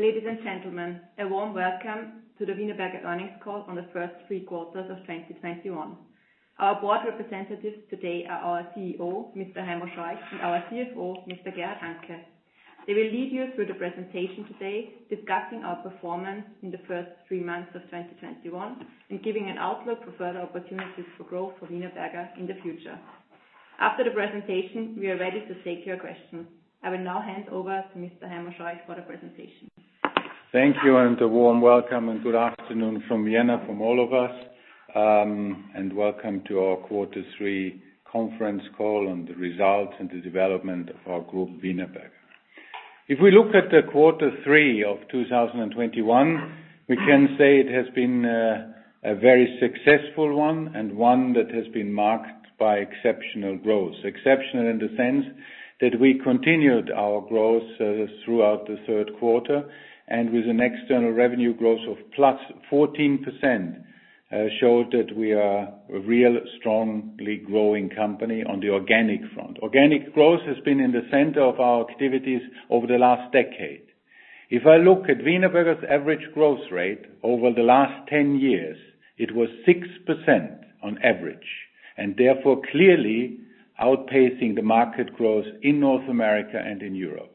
Ladies and gentlemen, a warm welcome to the Wienerberger Earnings Call on the first three quarters of 2021. Our board representatives today are our CEO, Mr. Heimo Scheuch, and our CFO, Mr. Gerhard Hanke. They will lead you through the presentation today, discussing our performance in the first three months of 2021, and giving an outlook for further opportunities for growth for Wienerberger in the future. After the presentation, we are ready to take your questions. I will now hand over to Mr. Heimo Scheuch for the presentation. Thank you, and a warm welcome, and good afternoon from Vienna from all of us, and welcome to our Quarter Three conference call on the results and the development of our group, Wienerberger. If we look at the Quarter Three of 2021, we can say it has been a very successful one, and one that has been marked by exceptional growth. Exceptional in the sense that we continued our growth throughout the third quarter, and with an external revenue growth of +14%, showed that we are a real strongly growing company on the organic front. Organic growth has been in the center of our activities over the last decade. If I look at Wienerberger's average growth rate over the last 10 years, it was 6% on average, and therefore clearly outpacing the market growth in North America and in Europe.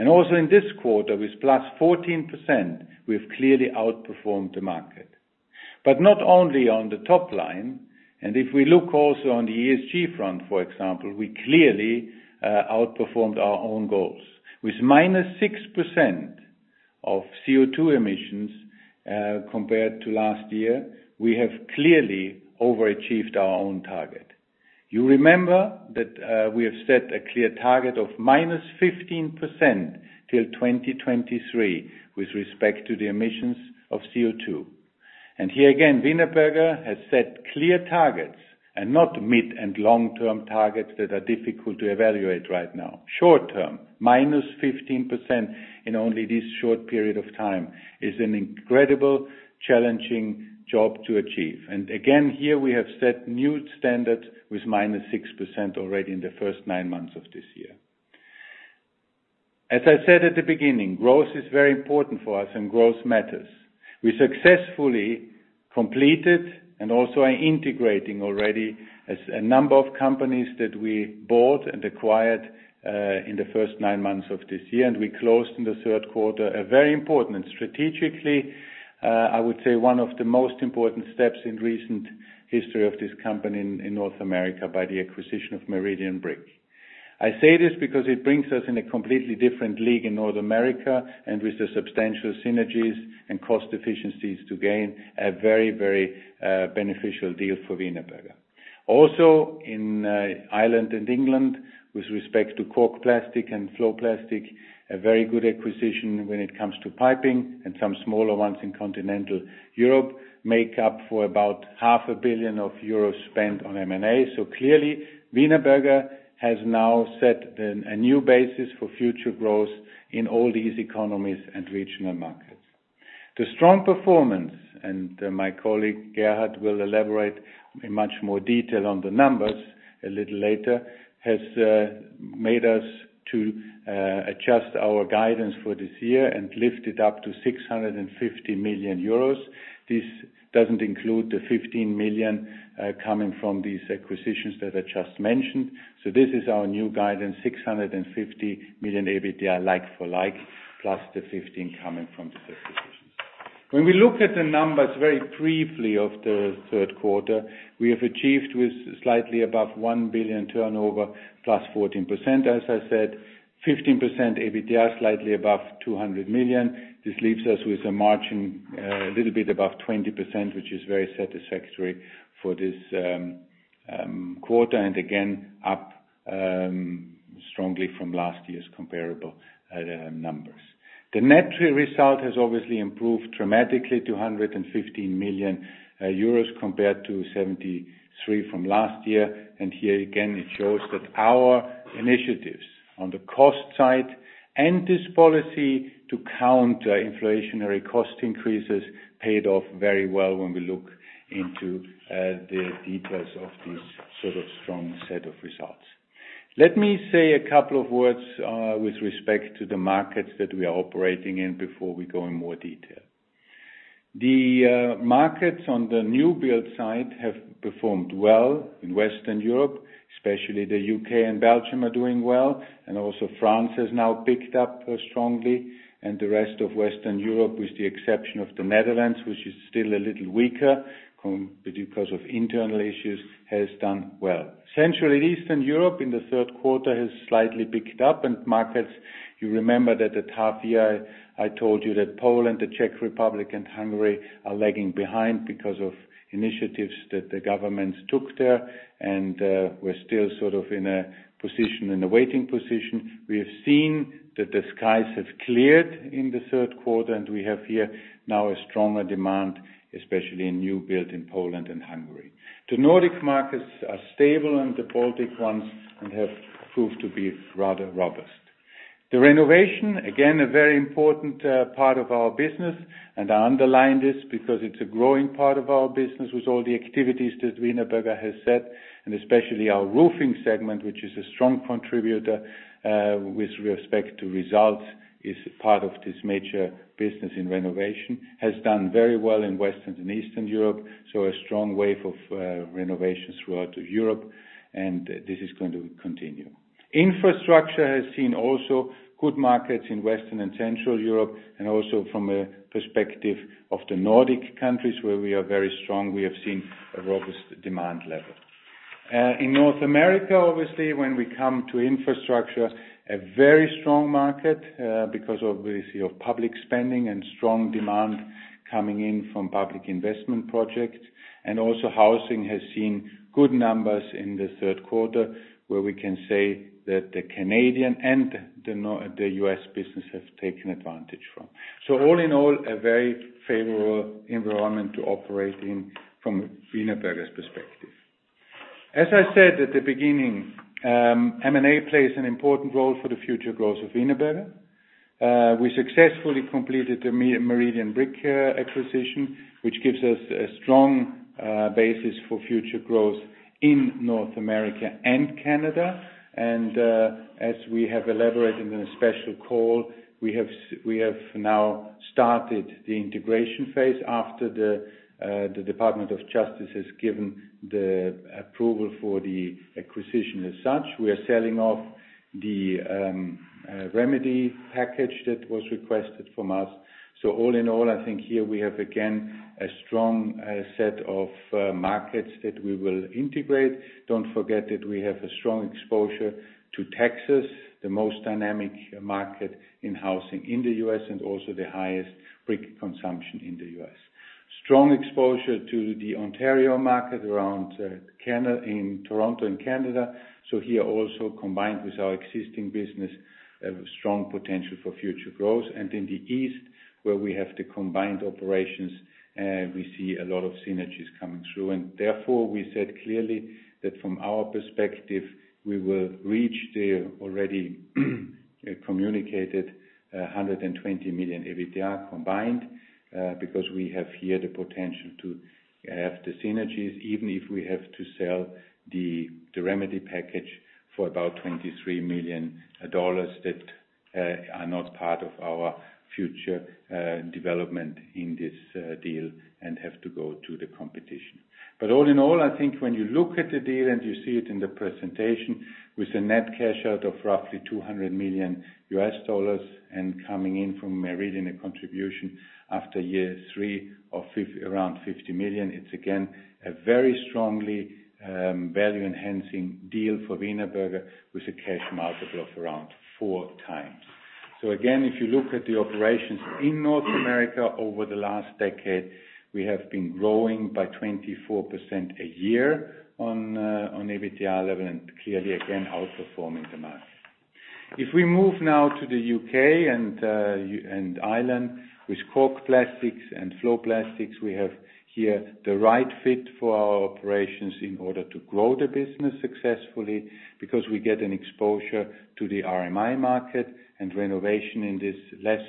Also in this quarter, with +14%, we've clearly outperformed the market. Not only on the top line, and if we look also on the ESG front, for example, we clearly outperformed our own goals. With -6% of CO2 emissions compared to last year, we have clearly overachieved our own target. You remember that, we have set a clear target of -15% till 2023 with respect to the emissions of CO2. Here again, Wienerberger has set clear targets and not mid- and long-term targets that are difficult to evaluate right now. Short-term, -15% in only this short period of time, is an incredible challenging job to achieve. Again, here we have set new standards with -6% already in the first nine months of this year. As I said at the beginning, growth is very important for us and growth matters. We successfully completed and also are integrating already a number of companies that we bought and acquired in the first nine months of this year. We closed in the third quarter a very important and strategically, I would say one of the most important steps in recent history of this company in North America by the acquisition of Meridian Brick. I say this because it brings us in a completely different league in North America, and with the substantial synergies and cost efficiencies to gain a very beneficial deal for Wienerberger. Also in Ireland and England, with respect to Cork Plastics and FloPlast, a very good acquisition when it comes to piping and some smaller ones in continental Europe, make up for about 500,000,000 euros spent on M&A. Clearly, Wienerberger has now set then a new basis for future growth in all these economies and regional markets. The strong performance, and my colleague, Gerhard, will elaborate in much more detail on the numbers a little later, has made us to adjust our guidance for this year and lift it up to 650 million euros. This doesn't include the 15 million coming from these acquisitions that I just mentioned. This is our new guidance, 650 million EBITDA like for like, plus the 15 coming from these acquisitions. When we look at the numbers very briefly of the third quarter, we have achieved with slightly above 1 billion turnover, +14%, as I said. 15% EBITDA, slightly above 200 million. This leaves us with a margin, a little bit above 20%, which is very satisfactory for this quarter. Again, up strongly from last year's comparable numbers. The net result has obviously improved dramatically to 115 million euros compared to 73 million from last year. Here again, it shows that our initiatives on the cost side and this policy to counter inflationary cost increases paid off very well when we look into the details of this sort of strong set of results. Let me say a couple of words with respect to the markets that we are operating in before we go in more detail. The markets on the Newbuild side have performed well in Western Europe, especially the U.K. and Belgium are doing well, and also France has now picked up strongly. The rest of Western Europe, with the exception of the Netherlands, which is still a little weaker because of internal issues, has done well. Central Eastern Europe in the third quarter has slightly picked up, and markets. You remember that at half year, I told you that Poland, the Czech Republic, and Hungary are lagging behind because of initiatives that the governments took there. We're still sort of in a position, in a waiting position. We have seen that the skies have cleared in the third quarter, and we have here now a stronger demand, especially in new build in Poland and Hungary. The Nordic markets are stable, and the Baltic ones have proved to be rather robust. The renovation, again, a very important part of our business, and I underline this because it's a growing part of our business with all the activities that Wienerberger has set, and especially our roofing segment, which is a strong contributor with respect to results, is a part of this major business in renovation, has done very well in Western and Eastern Europe, so a strong wave of renovations throughout Europe, and this is going to continue. Infrastructure has seen also good markets in Western and Central Europe, and also from a perspective of the Nordic countries where we are very strong, we have seen a robust demand level. In North America, obviously, when we come to infrastructure, a very strong market, because, obviously, of public spending and strong demand coming in from public investment projects. Also housing has seen good numbers in the third quarter, where we can say that the Canadian and the U.S. business have taken advantage from. All in all, a very favorable environment to operate in from Wienerberger's perspective. As I said at the beginning, M&A plays an important role for the future growth of Wienerberger. We successfully completed the Meridian Brick acquisition, which gives us a strong basis for future growth in North America and Canada. As we have elaborated in a special call, we have now started the integration phase after the Department of Justice has given the approval for the acquisition as such. We are selling off the remedy package that was requested from us. All in all, I think here we have again a strong set of markets that we will integrate. Don't forget that we have a strong exposure to Texas, the most dynamic market in housing in the U.S. and also the highest brick consumption in the U.S. Strong exposure to the Ontario market around in Toronto, in Canada. Here also combined with our existing business, strong potential for future growth. In the east, where we have the combined operations, we see a lot of synergies coming through. Therefore, we said clearly that from our perspective, we will reach the already communicated 120 million EBITDA combined because we have here the potential to have the synergies, even if we have to sell the remedy package for about $23 million that are not part of our future development in this deal and have to go to the competition. All in all, I think when you look at the deal and you see it in the presentation with a net cash out of roughly $200 million and coming in from Meridian, a contribution after year three of around 50 million, it's again a very strongly value-enhancing deal for Wienerberger with a cash multiple of around 4x. Again, if you look at the operations in North America over the last decade, we have been growing by 24% a year on EBITDA level and clearly again outperforming the market. If we move now to the U.K. and Ireland with Cork Plastics and FloPlast, we have here the right fit for our operations in order to grow the business successfully because we get an exposure to the RMI market and renovation in this less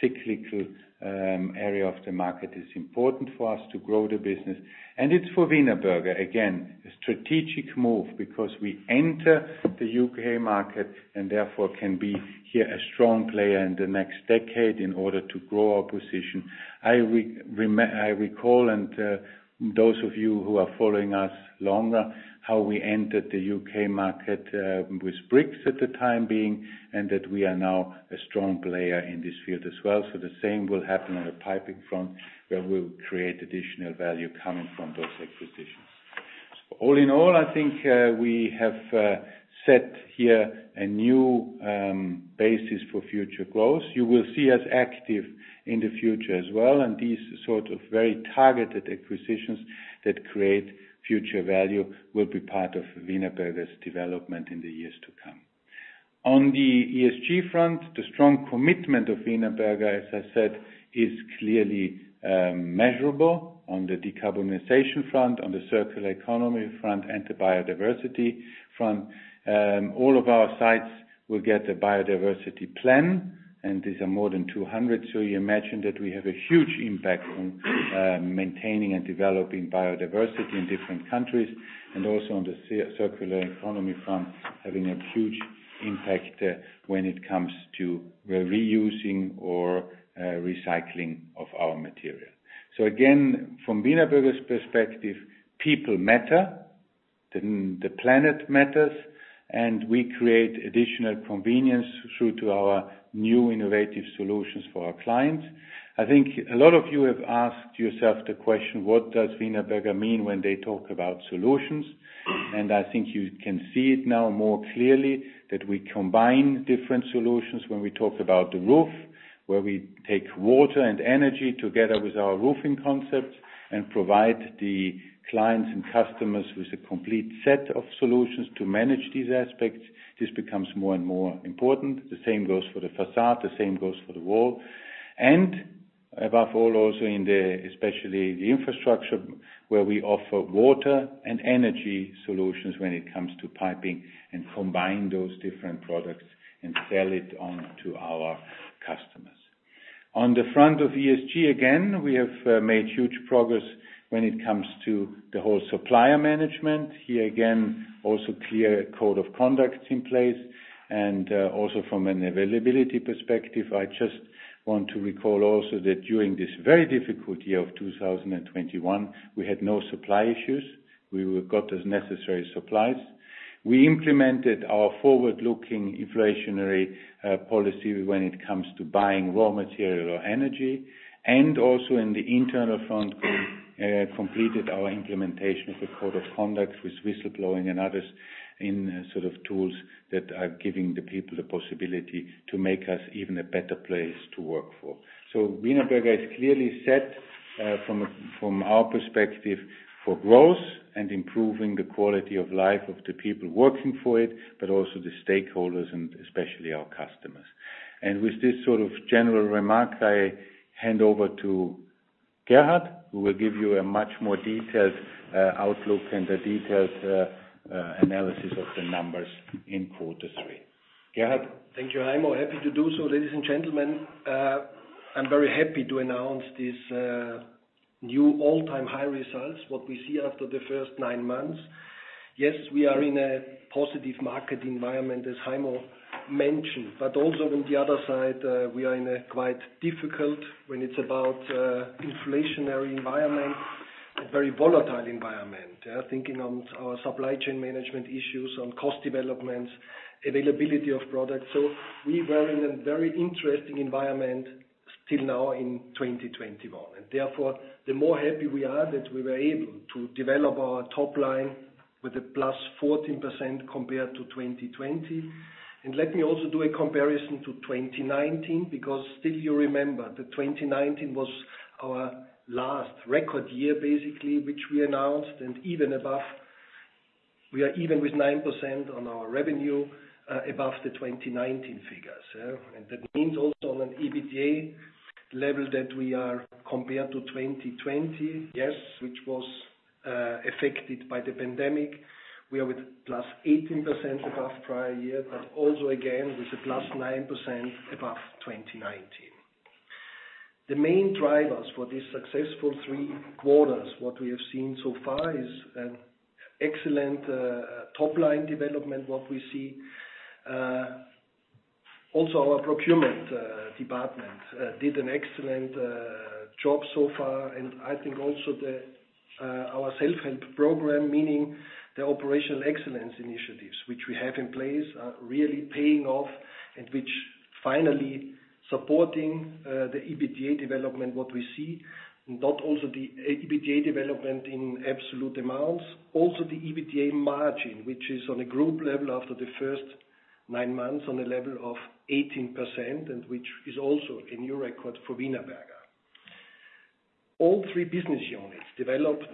cyclical area of the market is important for us to grow the business. It's for Wienerberger, again, a strategic move because we enter the U.K. market and therefore can be here a strong player in the next decade in order to grow our position. I recall, and, those of you who are following us longer, how we entered the U.K. market, with bricks at the time being, and that we are now a strong player in this field as well. The same will happen on the piping front, where we'll create additional value coming from those acquisitions. All in all, I think we have set here a new basis for future growth. You will see us active in the future as well, and these sort of very targeted acquisitions that create future value will be part of Wienerberger's development in the years to come. On the ESG front, the strong commitment of Wienerberger, as I said, is clearly measurable on the decarbonization front, on the circular economy front, and the biodiversity front. All of our sites will get a biodiversity plan, and these are more than 200, so you imagine that we have a huge impact on maintaining and developing biodiversity in different countries, and also on the circular economy front, having a huge impact when it comes to reusing or recycling of our material. Again, from Wienerberger's perspective, people matter, the planet matters, and we create additional convenience through to our new innovative solutions for our clients. I think a lot of you have asked yourself the question, what does Wienerberger mean when they talk about solutions? I think you can see it now more clearly that we combine different solutions when we talk about the roof, where we take water and energy together with our roofing concepts and provide the clients and customers with a complete set of solutions to manage these aspects. This becomes more and more important. The same goes for the facade, the same goes for the wall. Above all, also in the infrastructure, especially the infrastructure, where we offer water and energy solutions when it comes to piping, and combine those different products and sell it on to our customers. On the front of ESG, again, we have made huge progress when it comes to the whole supplier management. Here again, also clear code of conduct in place and also from an availability perspective. I just want to recall also that during this very difficult year of 2021, we had no supply issues. We got as necessary supplies. We implemented our forward-looking inflationary policy when it comes to buying raw material or energy, and also in the internal front, completed our implementation of the code of conduct with whistleblowing and others in sort of tools that are giving the people the possibility to make us even a better place to work for. Wienerberger is clearly set from our perspective for growth and improving the quality of life of the people working for it, but also the stakeholders and especially our customers. With this sort of general remarks, I hand over to Gerhard, who will give you a much more detailed outlook and a detailed analysis of the numbers in quarter three. Gerhard. Thank you, Heimo. Happy to do so. Ladies and gentlemen, I'm very happy to announce these new all-time high results what we see after the first nine months. Yes, we are in a positive market environment, as Heimo mentioned. Also on the other side, we are in a quite difficult when it's about inflationary environment, a very volatile environment. Yeah. Thinking on our supply chain management issues, on cost developments, availability of products. We were in a very interesting environment till now in 2021. Therefore, the more happy we are that we were able to develop our top line with a +14% compared to 2020. Let me also do a comparison to 2019, because still you remember that 2019 was our last record year, basically, which we announced, and we are even with 9% on our revenue above the 2019 figures. That means also on an EBITDA level that we are compared to 2020, which was affected by the pandemic. We are with +18% above prior year, but also again, with a +9% above 2019. The main drivers for these successful three quarters, what we have seen so far, is an excellent top-line development, what we see. Also our procurement department did an excellent job so far. I think also our self-help program, meaning the operational excellence initiatives which we have in place are really paying off and which finally supporting the EBITDA development, what we see. Not only the EBITDA development in absolute amounts, also the EBITDA margin, which is on a group level after the first nine months on a level of 18%, and which is also a new record for Wienerberger. All three business units developed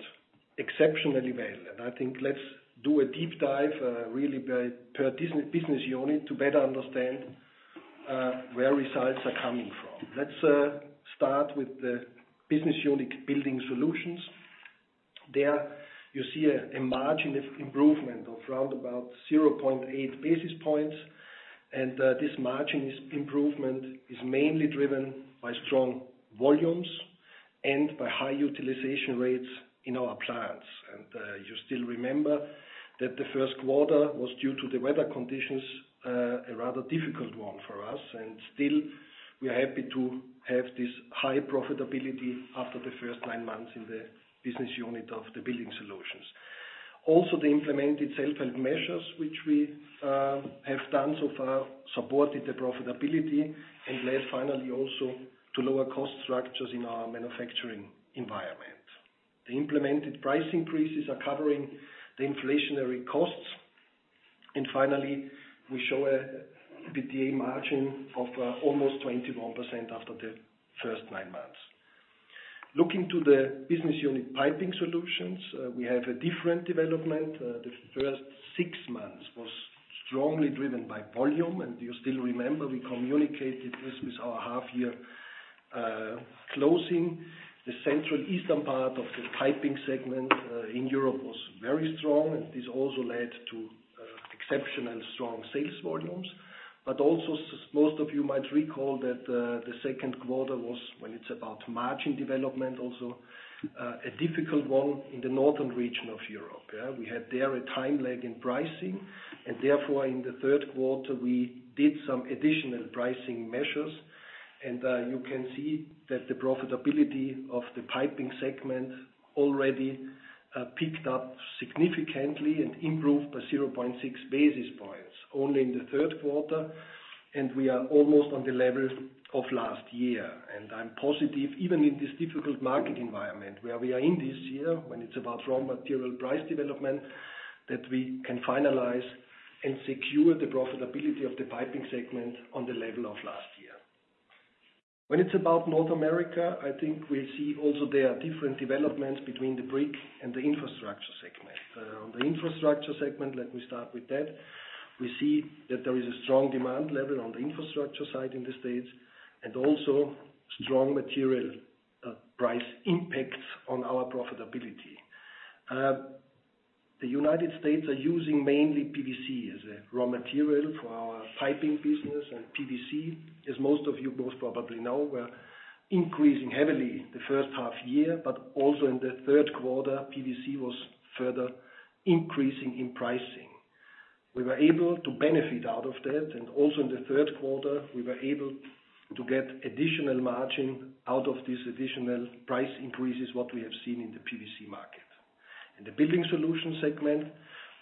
exceptionally well. I think let's do a deep dive really per business unit to better understand where results are coming from. Let's start with the business unit Building Solutions. There you see a margin of improvement of around 0.8 basis points. This margin improvement is mainly driven by strong volumes and by high utilization rates in our plants. You still remember that the first quarter was due to the weather conditions, a rather difficult one for us. Still, we are happy to have this high profitability after the first nine months in the business unit of the Building Solutions. Also, the implemented self-help measures, which we have done so far, supported the profitability and led finally also to lower cost structures in our manufacturing environment. The implemented price increases are covering the inflationary costs. Finally, we show an EBITDA margin of almost 21% after the first nine months. Looking to the business unit Piping Solutions, we have a different development. The first six months was strongly driven by volume, and you still remember we communicated this with our half year closing. The central eastern part of the piping segment in Europe was very strong, and this also led to exceptional strong sales volumes. Most of you might recall that the second quarter was when it's about margin development also a difficult one in the northern region of Europe. We had there a time lag in pricing, and therefore, in the third quarter, we did some additional pricing measures. You can see that the profitability of the piping segment already picked up significantly and improved by 0.6 basis points only in the third quarter. We are almost on the level of last year. I'm positive, even in this difficult market environment where we are in this year, when it's about raw material price development, that we can finalize and secure the profitability of the piping segment on the level of last year. When it's about North America, I think we see also there are different developments between the brick and the infrastructure segment. On the infrastructure segment, let me start with that. We see that there is a strong demand level on the infrastructure side in the States and also strong material price impacts on our profitability. The United States are using mainly PVC as a raw material for our piping business. PVC, as most of you most probably know, were increasing heavily the first half year, but also in the third quarter, PVC was further increasing in pricing. We were able to benefit out of that, and also in the third quarter, we were able to get additional margin out of these additional price increases, what we have seen in the PVC market. In the Building Solutions segment,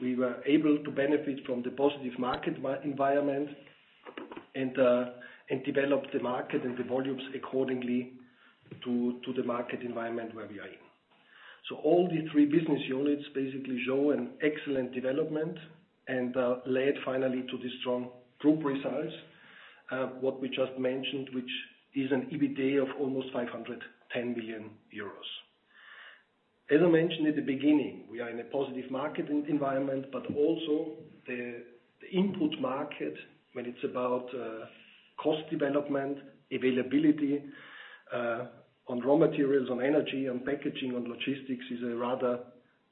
we were able to benefit from the positive market environment and develop the market and the volumes accordingly to the market environment where we are in. All three business units basically show an excellent development and led finally to the strong group results, what we just mentioned, which is an EBITDA of almost 510 million euros. As I mentioned at the beginning, we are in a positive market environment, but also the input market when it's about cost development, availability on raw materials, on energy, on packaging, on logistics is a rather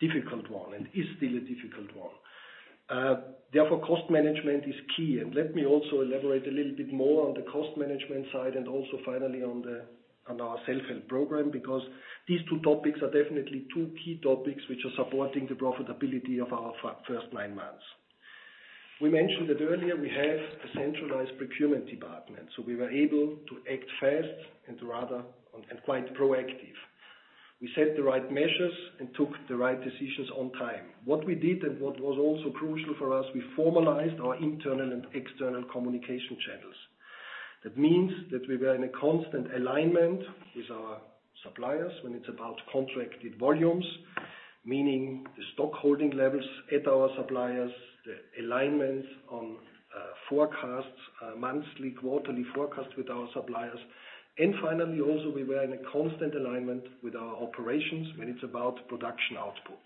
difficult one and is still a difficult one. Therefore, cost management is key. Let me also elaborate a little bit more on the cost management side and also finally on our self-help program, because these two topics are definitely two key topics which are supporting the profitability of our first nine months. We mentioned it earlier, we have a centralized procurement department, so we were able to act fast and rather and quite proactive. We set the right measures and took the right decisions on time. What we did, and what was also crucial for us, we formalized our internal and external communication channels. That means that we were in a constant alignment with our suppliers when it's about contracted volumes, meaning the stock holding levels at our suppliers, the alignments on forecasts, monthly, quarterly forecasts with our suppliers. Finally, also, we were in a constant alignment with our operations when it's about production output.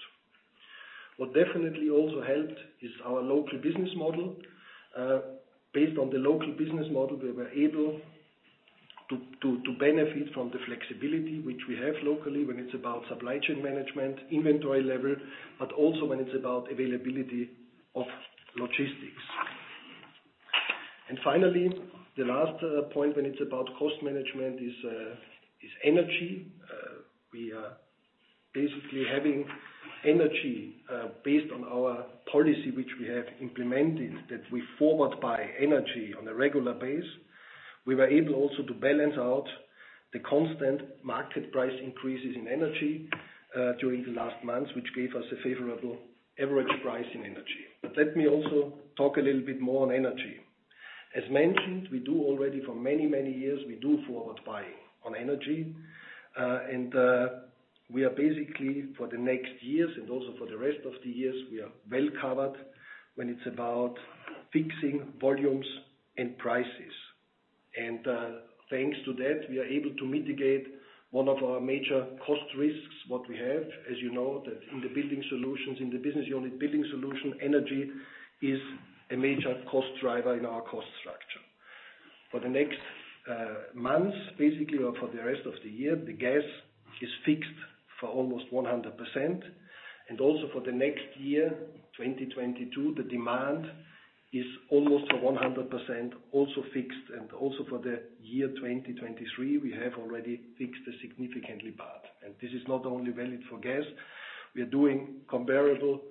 What definitely also helped is our local business model. Based on the local business model, we were able to benefit from the flexibility which we have locally when it's about supply chain management, inventory level, but also when it's about availability of logistics. Finally, the last point when it's about cost management is energy. We are basically having energy based on our policy, which we have implemented, that we forward buy energy on a regular basis. We were able also to balance out the constant market price increases in energy during the last months, which gave us a favorable average price in energy. Let me also talk a little bit more on energy. As mentioned, we do already for many, many years, we do forward buying on energy. We are basically for the next years and also for the rest of the years, we are well covered when it's about fixing volumes and prices. Thanks to that, we are able to mitigate one of our major cost risks what we have. As you know, that in the Building Solutions, in the business unit Building Solutions, energy is a major cost driver in our cost structure. For the next months, basically, or for the rest of the year, the gas is fixed for almost 100%. Also for the next year, 2022, the demand is almost 100% also fixed. For the year 2023, we have already fixed a significant part. This is not only valid for gas. We are doing comparable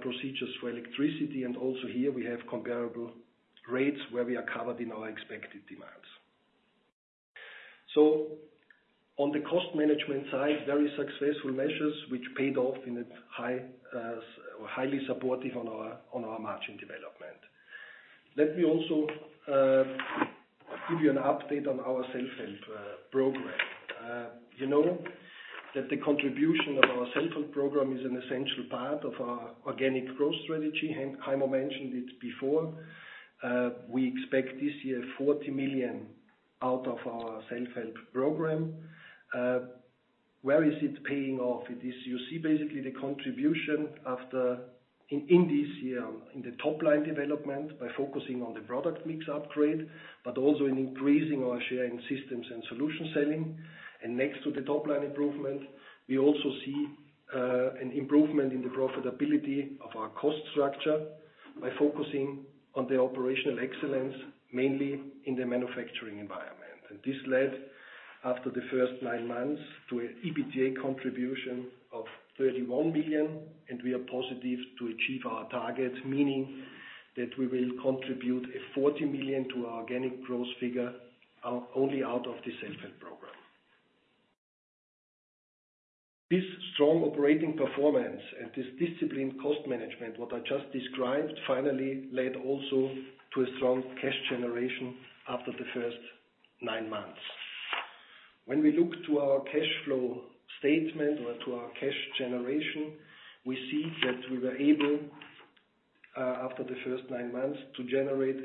procedures for electricity. Here we have comparable rates where we are covered in our expected demands. On the cost management side, very successful measures which paid off in a high or highly supportive on our margin development. Let me also give you an update on our self-help program. You know that the contribution of our self-help program is an essential part of our organic growth strategy. Heimo mentioned it before. We expect this year 40 million out of our self-help program. Where is it paying off? You see basically the contribution in this year in the top line development by focusing on the product mix upgrade, but also in increasing our share in systems and solution selling. Next to the top line improvement, we also see an improvement in the profitability of our cost structure by focusing on the operational excellence, mainly in the manufacturing environment. This led after the first nine months to an EBITDA contribution of 31 million, and we are positive to achieve our target, meaning that we will contribute 40 million to our organic growth figure only out of the self-help program. This strong operating performance and this disciplined cost management, what I just described, finally led also to a strong cash generation after the first nine months. When we look to our cash flow statement or to our cash generation, we see that we were able after the first nine months to generate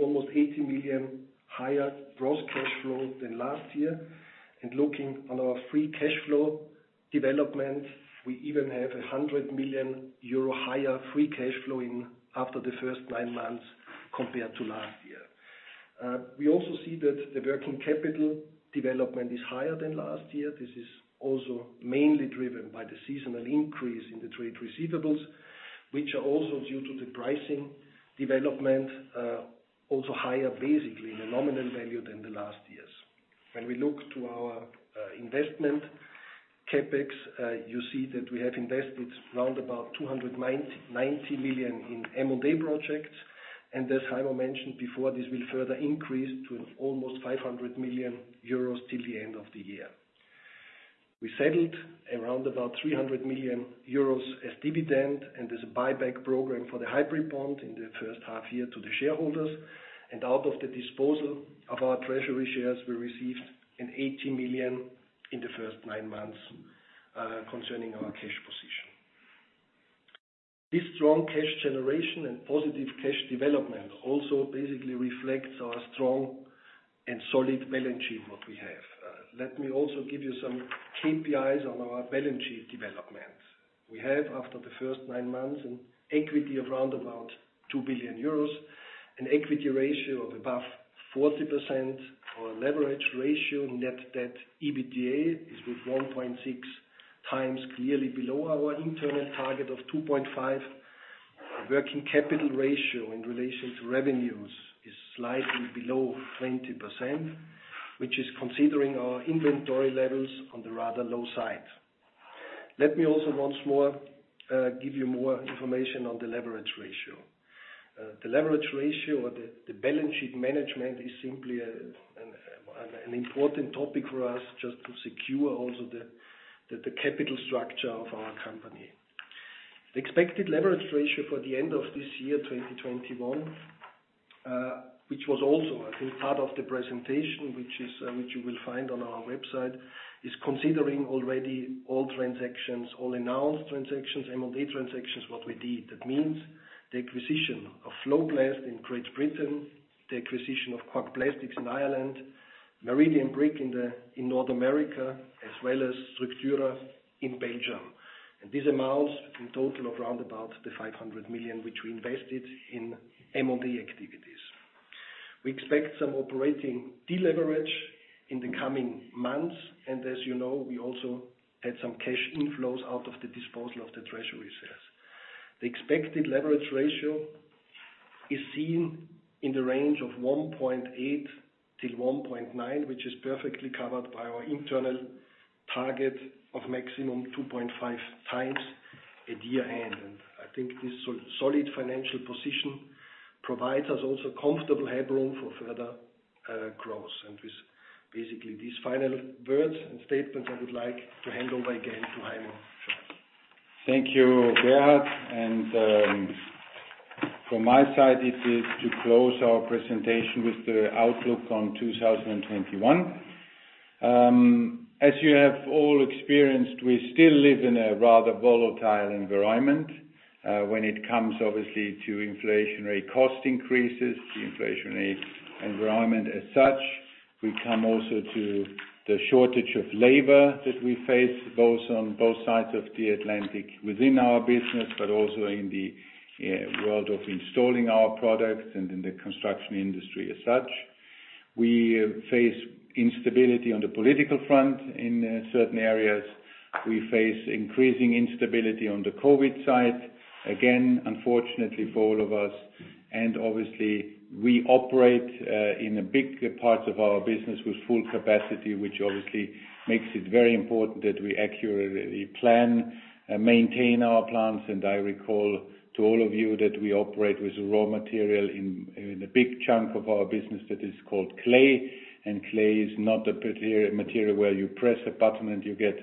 almost 80 million higher gross cash flow than last year. Looking on our free cash flow development, we even have 100 million euro higher free cash flow after the first nine months compared to last year. We also see that the working capital development is higher than last year. This is also mainly driven by the seasonal increase in the trade receivables, which are also due to the pricing development, also higher basically the nominal value than the last years. When we look to our investment CapEx, you see that we have invested around 290 million in M&A projects. As Heimo mentioned before, this will further increase to almost 500 million euros till the end of the year. We settled around about 300 million euros as dividend, and there's a buyback program for the hybrid bond in the first half year to the shareholders. Out of the disposal of our treasury shares, we received 80 million in the first nine months concerning our cash position. This strong cash generation and positive cash development also basically reflects our strong and solid balance sheet, what we have. Let me also give you some KPIs on our balance sheet development. We have, after the first nine months, an equity of round about 2 billion euros, an equity ratio of above 40%. Our leverage ratio, net debt, EBITDA, is with 1.6x, clearly below our internal target of 2.5x. Working capital ratio in relation to revenues is slightly below 20%, which is considering our inventory levels on the rather low side. Let me also once more give you more information on the leverage ratio. The leverage ratio or the balance sheet management is simply an important topic for us just to secure also the capital structure of our company. The expected leverage ratio for the end of this year, 2021, which was also, I think, part of the presentation, which you will find on our website, is considering already all transactions, all announced transactions, M&A transactions, what we did. That means the acquisition of FloPlast in Great Britain, the acquisition of Cork Plastics in Ireland, Meridian Brick in North America, as well as Struxura in Belgium. This amounts in total of around the 500 million, which we invested in M&A activities. We expect some operating deleverage in the coming months, and as you know, we also had some cash inflows out of the disposal of the treasury sales. The expected leverage ratio is seen in the range of 1.8-1.9, which is perfectly covered by our internal target of maximum 2.5x at year-end. I think this solid financial position provides us also comfortable headroom for further growth. With basically these final words and statements, I would like to hand over again to Heimo. Thank you, Gerhard. From my side, it is to close our presentation with the outlook on 2021. As you have all experienced, we still live in a rather volatile environment, when it comes obviously to inflationary cost increases, the inflationary environment as such. We come also to the shortage of labor that we face, on both sides of the Atlantic within our business, but also in the world of installing our products and in the construction industry as such. We face instability on the political front in certain areas. We face increasing instability on the COVID side. Again, unfortunately for all of us, and obviously we operate in a big part of our business with full capacity, which obviously makes it very important that we accurately plan, maintain our plans. I recall to all of you that we operate with raw material in a big chunk of our business that is called clay. Clay is not a material where you press a button and you get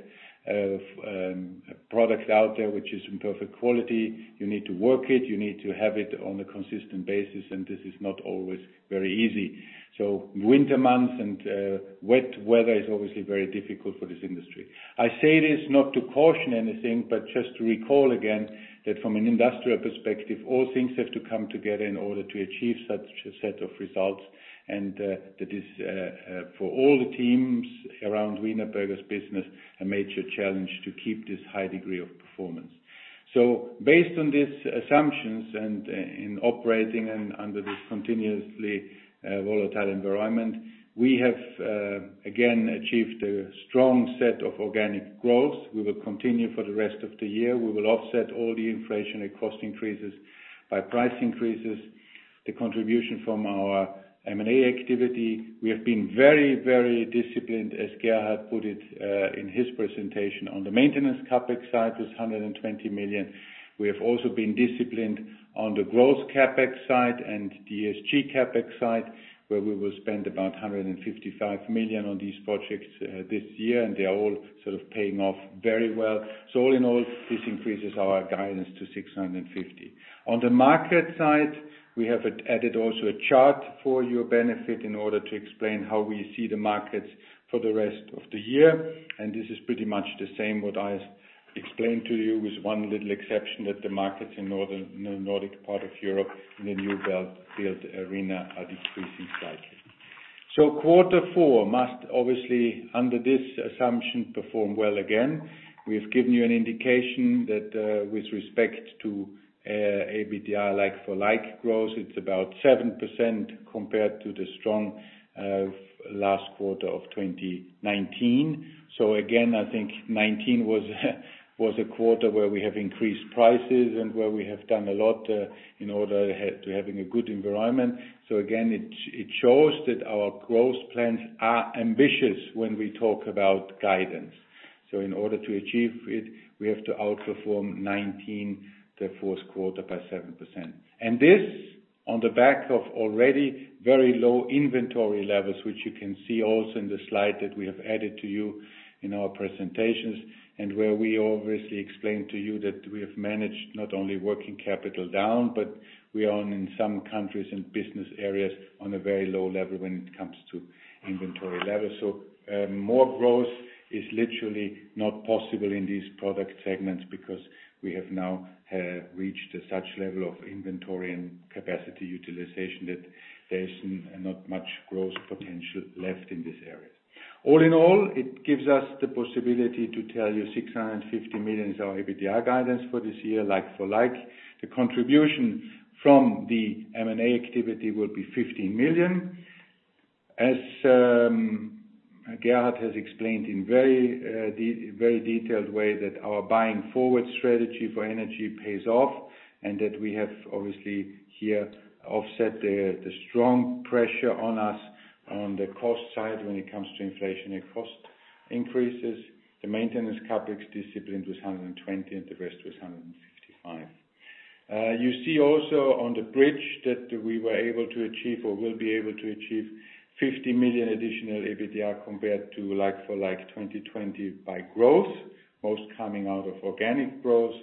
products out there, which is in perfect quality. You need to work it, you need to have it on a consistent basis, and this is not always very easy. Winter months and wet weather is obviously very difficult for this industry. I say this not to caution anything, but just to recall again that from an industrial perspective, all things have to come together in order to achieve such a set of results. That is for all the teams around Wienerberger's business a major challenge to keep this high degree of performance. Based on these assumptions and operating under this continuously volatile environment, we have again achieved a strong set of organic growth. We will continue for the rest of the year. We will offset all the inflationary cost increases by price increases. The contribution from our M&A activity, we have been very disciplined, as Gerhard put it, in his presentation. On the maintenance CapEx side, it was 120 million. We have also been disciplined on the growth CapEx side and the S&G CapEx side, where we will spend about 155 million on these projects this year, and they are all sort of paying off very well. All in all, this increases our guidance to 650 million. On the market side, we have added also a chart for your benefit in order to explain how we see the markets for the rest of the year. This is pretty much the same what I explained to you with one little exception, that the markets in Nordic part of Europe and the Newbuild arena are decreasing slightly. Quarter four must obviously, under this assumption, perform well again. We've given you an indication that, with respect to, EBITDA like for like growth, it's about 7% compared to the strong, last quarter of 2019. Again, I think 2019 was a quarter where we have increased prices and where we have done a lot, in order to have a good environment. It shows that our growth plans are ambitious when we talk about guidance. In order to achieve it, we have to outperform 2019, the fourth quarter by 7%. This on the back of already very low inventory levels, which you can see also in the slide that we have added to you in our presentations, and where we obviously explained to you that we have managed not only working capital down, but we are on in some countries and business areas on a very low level when it comes to inventory levels. More growth is literally not possible in these product segments because we have now reached such level of inventory and capacity utilization that there's not much growth potential left in this area. All in all, it gives us the possibility to tell you 650 million is our EBITDA guidance for this year, like for like. The contribution from the M&A activity will be 15 million. Gerhard has explained in very detailed way that our buying forward strategy for energy pays off, and that we have obviously here offset the strong pressure on us on the cost side when it comes to inflationary cost increases. The maintenance CapEx discipline was 120, and the rest was 155. You see also on the bridge that we were able to achieve or will be able to achieve 50 million additional EBITDA compared to like-for-like 2020 by growth, most coming out of organic growth.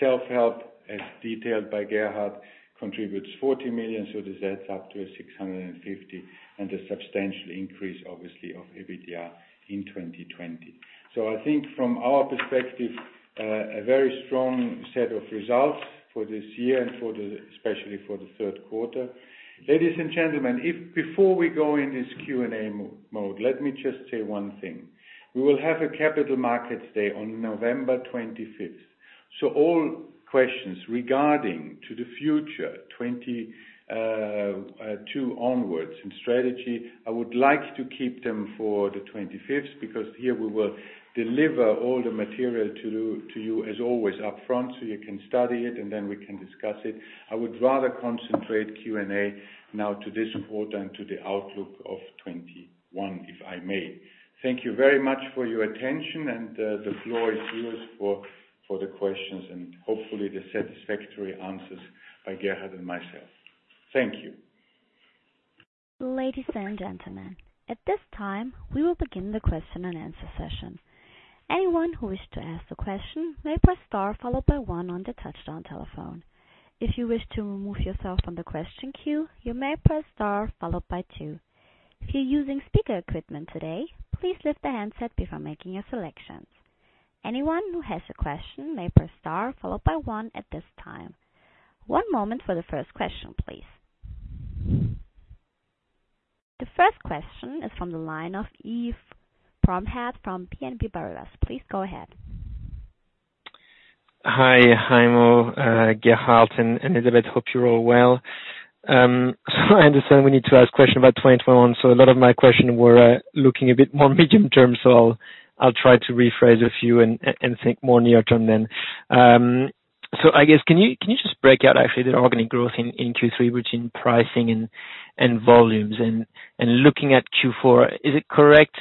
Self-help, as detailed by Gerhard, contributes 40 million, so this adds up to 650 and a substantial increase obviously of EBITDA in 2020. I think from our perspective, a very strong set of results for this year and especially for the third quarter. Ladies and gentlemen, before we go in this Q&A mode, let me just say one thing. We will have a capital markets day on November 25. All questions regarding to the future 2022 onwards and strategy, I would like to keep them for the 25th, because here we will deliver all the material to you as always up front, so you can study it and then we can discuss it. I would rather concentrate Q&A now to this quarter and to the outlook of 2021, if I may. Thank you very much for your attention and the floor is yours for the questions and hopefully the satisfactory answers by Gerhard and myself. Thank you. Ladies and gentlemen, at this time, we will begin the question and answer session. One moment for the first question, please. The first question is from the line of Yves Bromehead from BNP Paribas. Please go ahead. Hi, Heimo, Gerhard, and Elisabeth. Hope you're all well. I understand we need to ask questions about 2021. A lot of my questions were looking a bit more medium term. I'll try to rephrase a few and think more near term then. I guess, can you just break out the organic growth in Q3 in pricing and volumes? Looking at Q4, is it correct?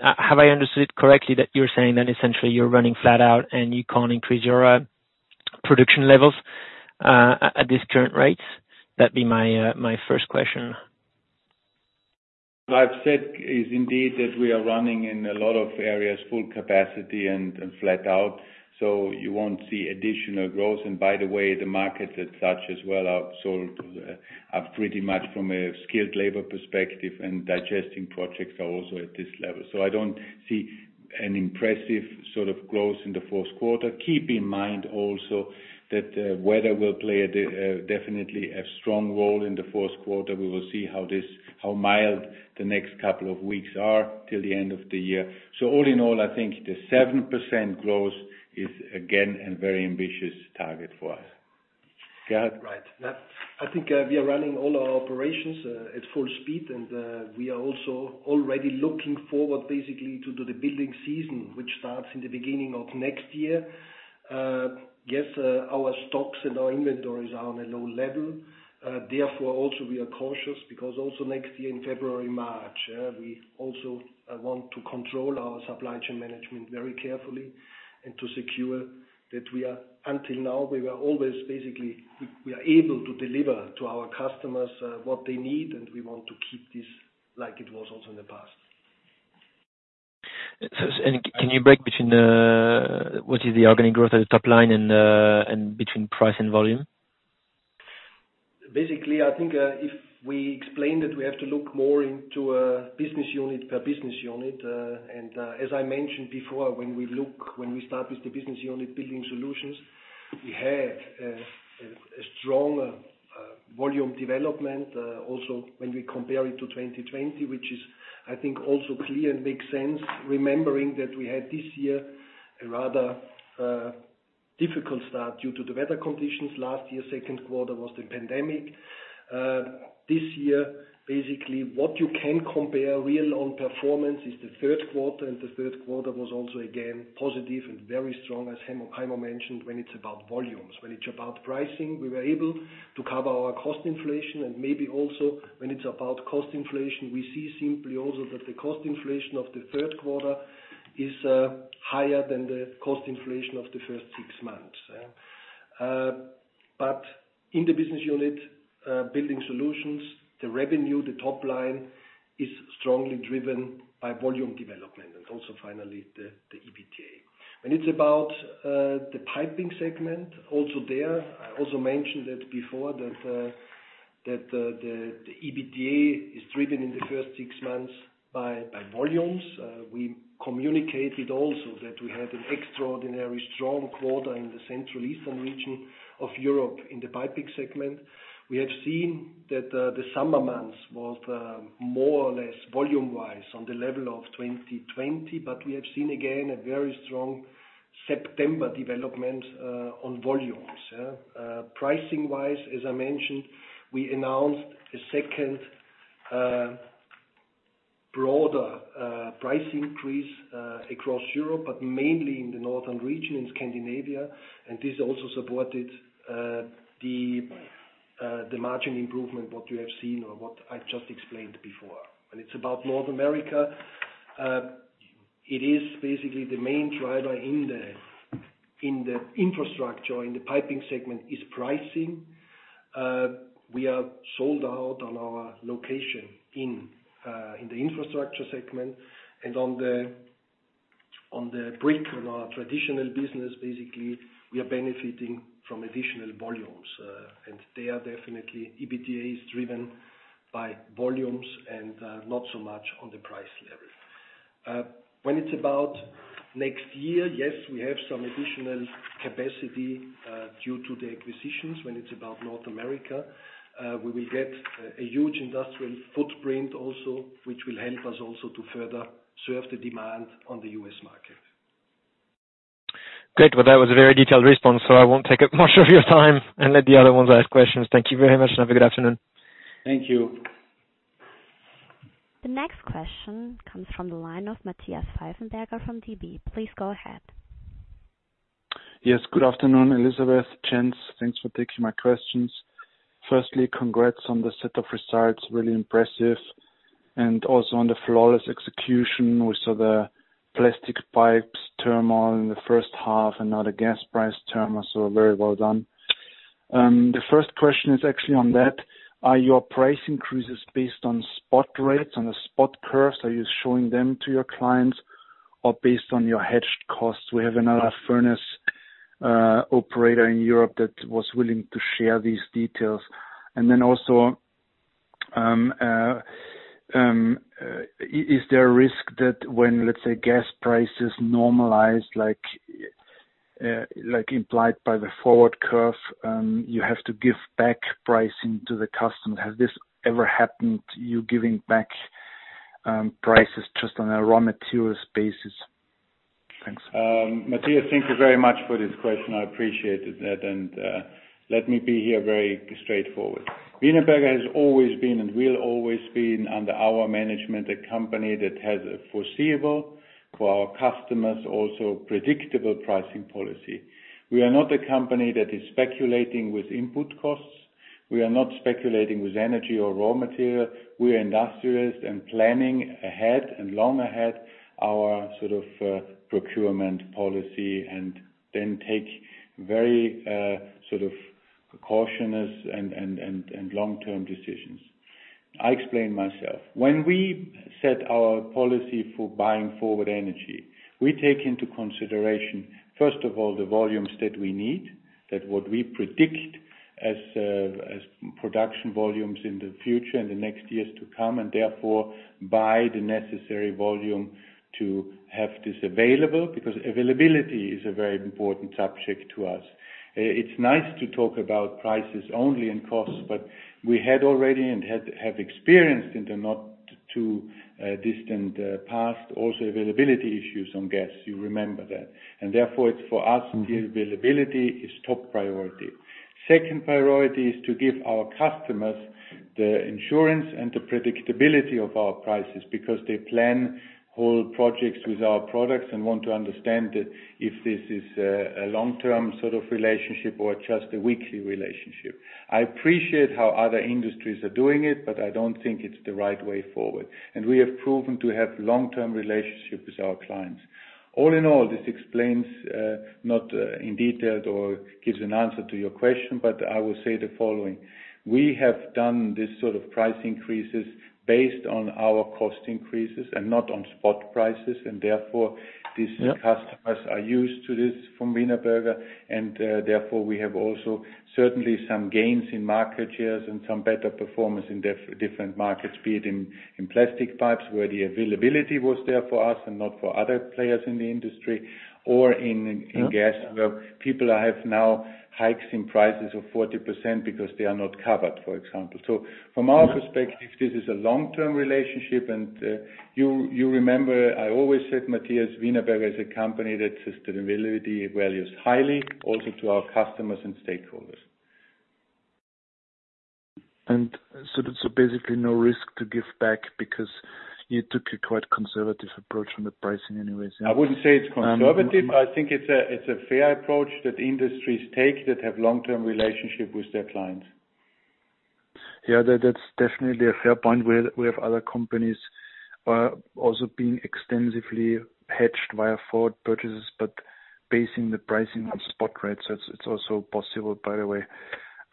Have I understood correctly that you're saying that essentially you're running flat out and you can't increase your production levels at this current rates? That'd be my first question. What I've said is indeed that we are running in a lot of areas full capacity and flat out. You won't see additional growth. By the way, the markets as such as well are sold, are pretty much from a skilled labor perspective, and digesting projects are also at this level. I don't see an impressive sort of growth in the fourth quarter. Keep in mind also that weather will play definitely a strong role in the fourth quarter. We will see how mild the next couple of weeks are till the end of the year. All in all, I think the 7% growth is again a very ambitious target for us. Gerhard? Right. I think we are running all our operations at full speed. We are also already looking forward basically to the building season, which starts in the beginning of next year. Yes, our stocks and our inventories are on a low level. Therefore, also we are cautious because also next year in February, March, we also want to control our supply chain management very carefully and to secure that until now, we were always basically able to deliver to our customers what they need, and we want to keep this like it was also in the past. Can you break between what is the organic growth at the top line and between price and volume? Basically, I think, if we explain that we have to look more into a business unit per business unit. As I mentioned before, when we start with the business unit Building Solutions, we had a strong Volume development also when we compare it to 2020, which I think is also clear and makes sense, remembering that we had this year a rather difficult start due to the weather conditions. Last year, second quarter was the pandemic. This year, basically what you can compare real own performance is the third quarter, and the third quarter was also again positive and very strong, as Heimo mentioned, when it's about volumes. When it's about pricing, we were able to cover our cost inflation and maybe also when it's about cost inflation, we see simply also that the cost inflation of the third quarter is higher than the cost inflation of the first six months. But in the business unit Building Solutions, the revenue, the top line, is strongly driven by volume development and also finally the EBITDA. When it's about the piping segment, also there, I also mentioned it before that the EBITDA is driven in the first six months by volumes. We communicated also that we had an extraordinarily strong quarter in the Central Eastern region of Europe in the piping segment. We have seen that the summer months was more or less volume-wise on the level of 2020, but we have seen again a very strong September development on volumes. Pricing-wise, as I mentioned, we announced a second broader price increase across Europe, but mainly in the northern region, in Scandinavia. This also supported the margin improvement what you have seen or what I just explained before. When it's about North America, it is basically the main driver in the infrastructure, in the piping segment, is pricing. We are sold out on our location in the infrastructure segment and on the brick, on our traditional business. Basically, we are benefiting from additional volumes. They are definitely EBITDAs driven by volumes and not so much on the price level. When it's about next year, yes, we have some additional capacity due to the acquisitions. When it's about North America, we will get a huge industrial footprint also, which will help us also to further serve the demand on the U.S. market. Great. Well, that was a very detailed response, so I won't take up much of your time and let the other ones ask questions. Thank you very much and have a good afternoon. Thank you. The next question comes from the line of Matthias Pfeifenberger from Deutsche Bank. Please go ahead. Yes. Good afternoon, Elisabeth, gents. Thanks for taking my questions. Firstly, congrats on the set of results. Really impressive. Also on the flawless execution. We saw the plastic pipes turnaround in the first half and now the gas price turnaround, so very well done. The first question is actually on that. Are your price increases based on spot rates, on the spot curves? Are you showing them to your clients or based on your hedged costs? We have another furnace operator in Europe that was willing to share these details. Then also, is there a risk that when, let's say, gas prices normalize, like implied by the forward curve, you have to give back pricing to the customer? Has this ever happened to you giving back prices just on a raw materials basis? Thanks. Matthias, thank you very much for this question. I appreciated that. Let me be very straightforward here. Wienerberger has always been and will always be, under our management, a company that has a foreseeable for our customers, also predictable pricing policy. We are not a company that is speculating with input costs. We are not speculating with energy or raw material. We are industrialists and planning ahead and long ahead our sort of procurement policy and then take very sort of cautious and long-term decisions. I explain myself. When we set our policy for buying forward energy, we take into consideration, first of all, the volumes that we need, that what we predict as production volumes in the future, in the next years to come, and therefore buy the necessary volume to have this available, because availability is a very important subject to us. It's nice to talk about prices only and costs, but we have experienced in the not too distant past also availability issues on gas. You remember that. Therefore it's for us, the availability is top priority. Second priority is to give our customers the insurance and the predictability of our prices because they plan whole projects with our products and want to understand that if this is a long-term sort of relationship or just a weekly relationship. I appreciate how other industries are doing it, but I don't think it's the right way forward. We have proven to have long-term relationships with our clients. All in all, this explains, not in detail or gives an answer to your question, but I will say the following. We have done this sort of price increases based on our cost increases and not on spot prices, and therefore these. Yeah. Customers are used to this from Wienerberger, and therefore, we have also certainly some gains in market shares and some better performance in different markets, be it in plastic pipes, where the availability was there for us and not for other players in the industry or in gas, where people have now hikes in prices of 40% because they are not covered, for example. From our perspective, this is a long-term relationship. You remember, I always said, Matthias, Wienerberger is a company that values sustainability highly also to our customers and stakeholders. That's basically no risk to give back because you took a quite conservative approach on the pricing anyways. I wouldn't say it's conservative. I think it's a fair approach that industries take that have long-term relationship with their clients. Yeah. That's definitely a fair point. We have other companies also being extensively hedged via forward purchases, but basing the pricing on spot rates, it's also possible, by the way. My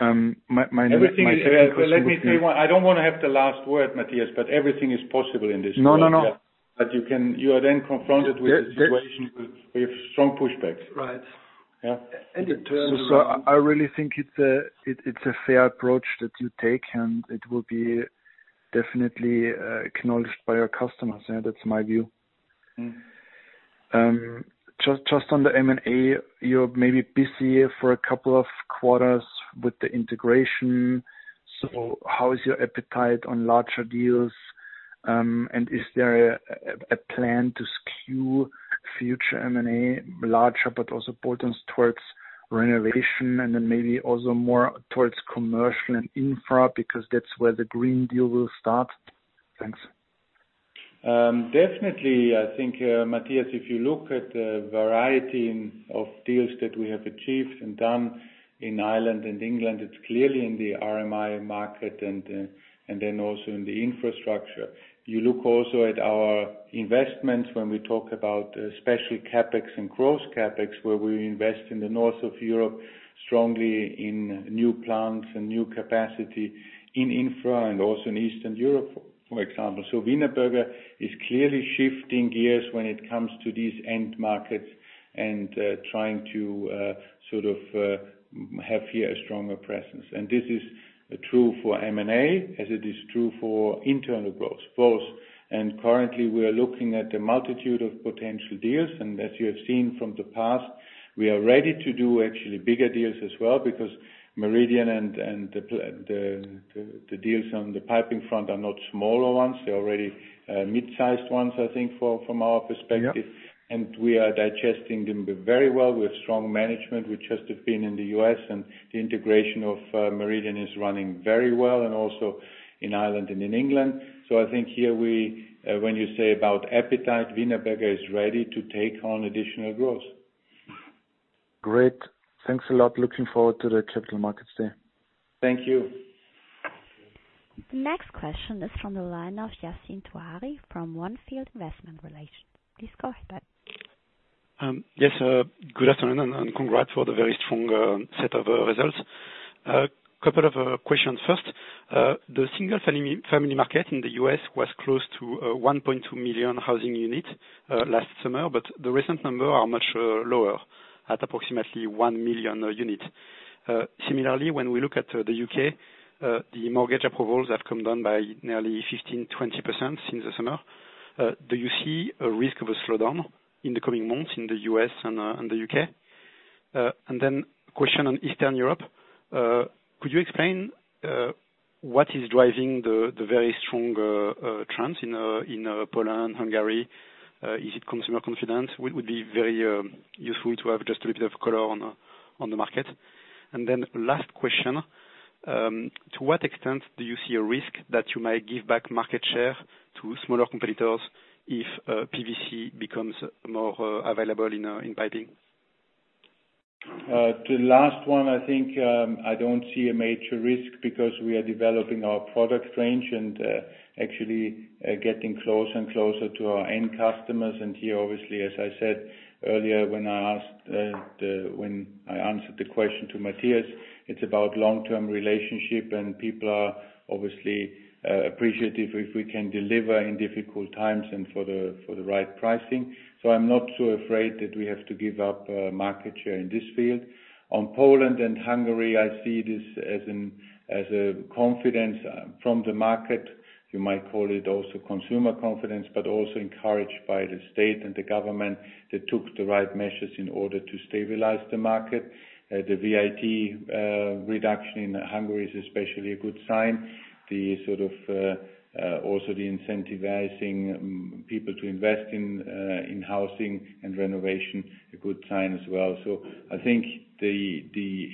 next question would be- I don't wanna have the last word, Matthias, but everything is possible in this world. No, no. You are then confronted with the situation with strong pushbacks. Right. Yeah. And it turns around- I really think it's a fair approach that you take, and it will be definitely acknowledged by our customers. Yeah, that's my view. Mm. Just on the M&A, you're maybe busier for a couple of quarters with the integration. How is your appetite on larger deals? Is there a plan to skew future M&A larger, but also potentially towards renovation and then maybe also more towards commercial and infra because that's where the Green Deal will start? Thanks. Definitely. I think, Matthias, if you look at the variety of deals that we have achieved and done in Ireland and England, it's clearly in the RMI market and then also in the infrastructure. You look also at our investments when we talk about especially CapEx and gross CapEx, where we invest in the north of Europe, strongly in new plants and new capacity in infra and also in Eastern Europe, for example. Wienerberger is clearly shifting gears when it comes to these end markets and trying to sort of have here a stronger presence. This is true for M&A, as it is true for internal growth, both. Currently, we are looking at a multitude of potential deals, and as you have seen from the past, we are ready to do actually bigger deals as well because Meridian and the deals on the piping front are not smaller ones. They're already mid-sized ones, I think, from our perspective. Yeah. We are digesting them very well with strong management. We just have been in the U.S. and the integration of Meridian is running very well and also in Ireland and in England. I think here we, when you say about appetite, Wienerberger is ready to take on additional growth. Great. Thanks a lot. Looking forward to the Capital Markets Day. Thank you. The next question is from the line of Yassine Touahri from On Field Investment Research. Please go ahead. Yes. Good afternoon, and congrats for the very strong set of results. A couple of questions. First, the single family market in the U.S. was close to 1.2 million housing units last summer, but the recent numbers are much lower, at approximately 1 million units. Similarly, when we look at the U.K., the mortgage approvals have come down by nearly 15%-20% since the summer. Do you see a risk of a slowdown in the coming months in the U.S. and the U.K.? Question on Eastern Europe, could you explain what is driving the very strong trends in Poland, Hungary? Is it consumer confidence? It would be very useful to have just a bit of color on the market. Then last question, to what extent do you see a risk that you might give back market share to smaller competitors if PVC becomes more available in piping? To the last one, I think, I don't see a major risk because we are developing our product range and, actually, getting closer and closer to our end customers. Here, obviously, as I said earlier, when I answered the question to Matthias, it's about long-term relationship, and people are obviously, appreciative if we can deliver in difficult times and for the right pricing. I'm not so afraid that we have to give up market share in this field. On Poland and Hungary, I see this as a confidence from the market. You might call it also consumer confidence, but also encouraged by the state and the government that took the right measures in order to stabilize the market. The VAT reduction in Hungary is especially a good sign. The sort of also the incentivizing people to invest in housing and renovation, a good sign as well. I think the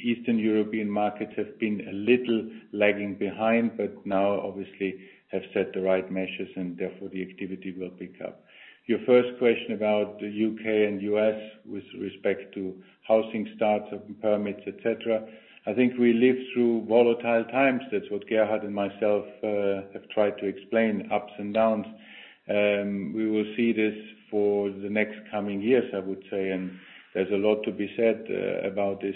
Eastern European markets have been a little lagging behind, but now obviously have set the right measures, and therefore, the activity will pick up. Your first question about the U.K. and U.S. with respect to housing starts and permits, et cetera. I think we live through volatile times. That's what Gerhard and myself have tried to explain, ups and downs. We will see this for the next coming years, I would say, and there's a lot to be said about this.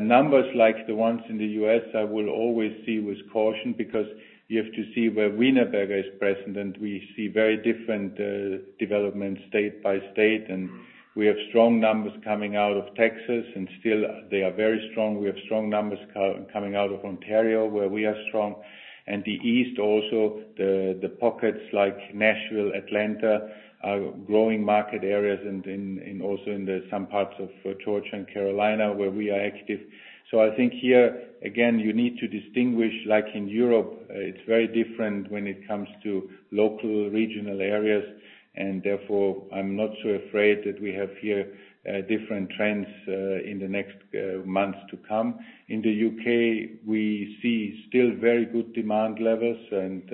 Numbers like the ones in the U.S., I will always see with caution because you have to see where Wienerberger is present, and we see very different developments state by state. We have strong numbers coming out of Texas, and still they are very strong. We have strong numbers coming out of Ontario, where we are strong. The East also, the pockets like Nashville, Atlanta, are growing market areas and also in some parts of Georgia and Carolina where we are active. I think here, again, you need to distinguish, like in Europe, it's very different when it comes to local regional areas, and therefore, I'm not so afraid that we have here different trends in the next months to come. In the U.K., we see still very good demand levels, and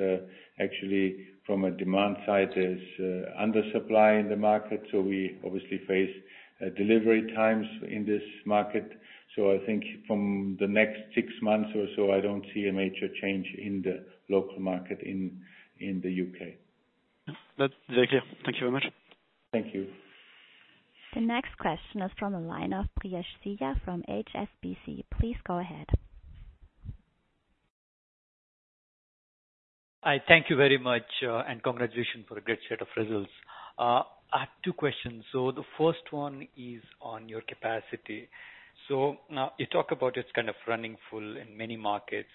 actually from a demand side, there's undersupply in the market, so we obviously face delivery times in this market. I think from the next six months or so, I don't see a major change in the local market in the U.K. That's very clear. Thank you very much. Thank you. The next question is from the line of Priyesh from HSBC. Please go ahead. I thank you very much, and congratulations for a great set of results. I have two questions. The first one is on your capacity. Now you talk about it's kind of running full in many markets.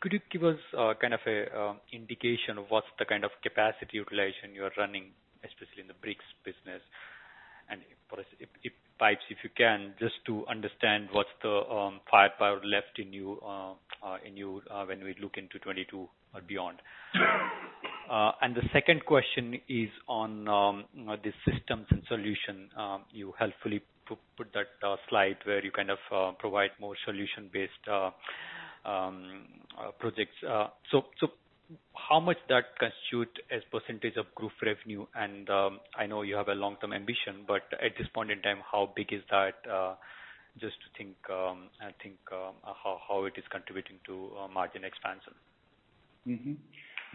Could you give us kind of an indication of what's the kind of capacity utilization you are running, especially in the bricks business? And for pipes, if you can, just to understand what's the firepower left in you when we look into 2022 or beyond. The second question is on the systems and solution. You helpfully put that slide where you kind of provide more solution-based projects. How much that constitute as percentage of group revenue and I know you have a long-term ambition, but at this point in time, how big is that? How it is contributing to margin expansion.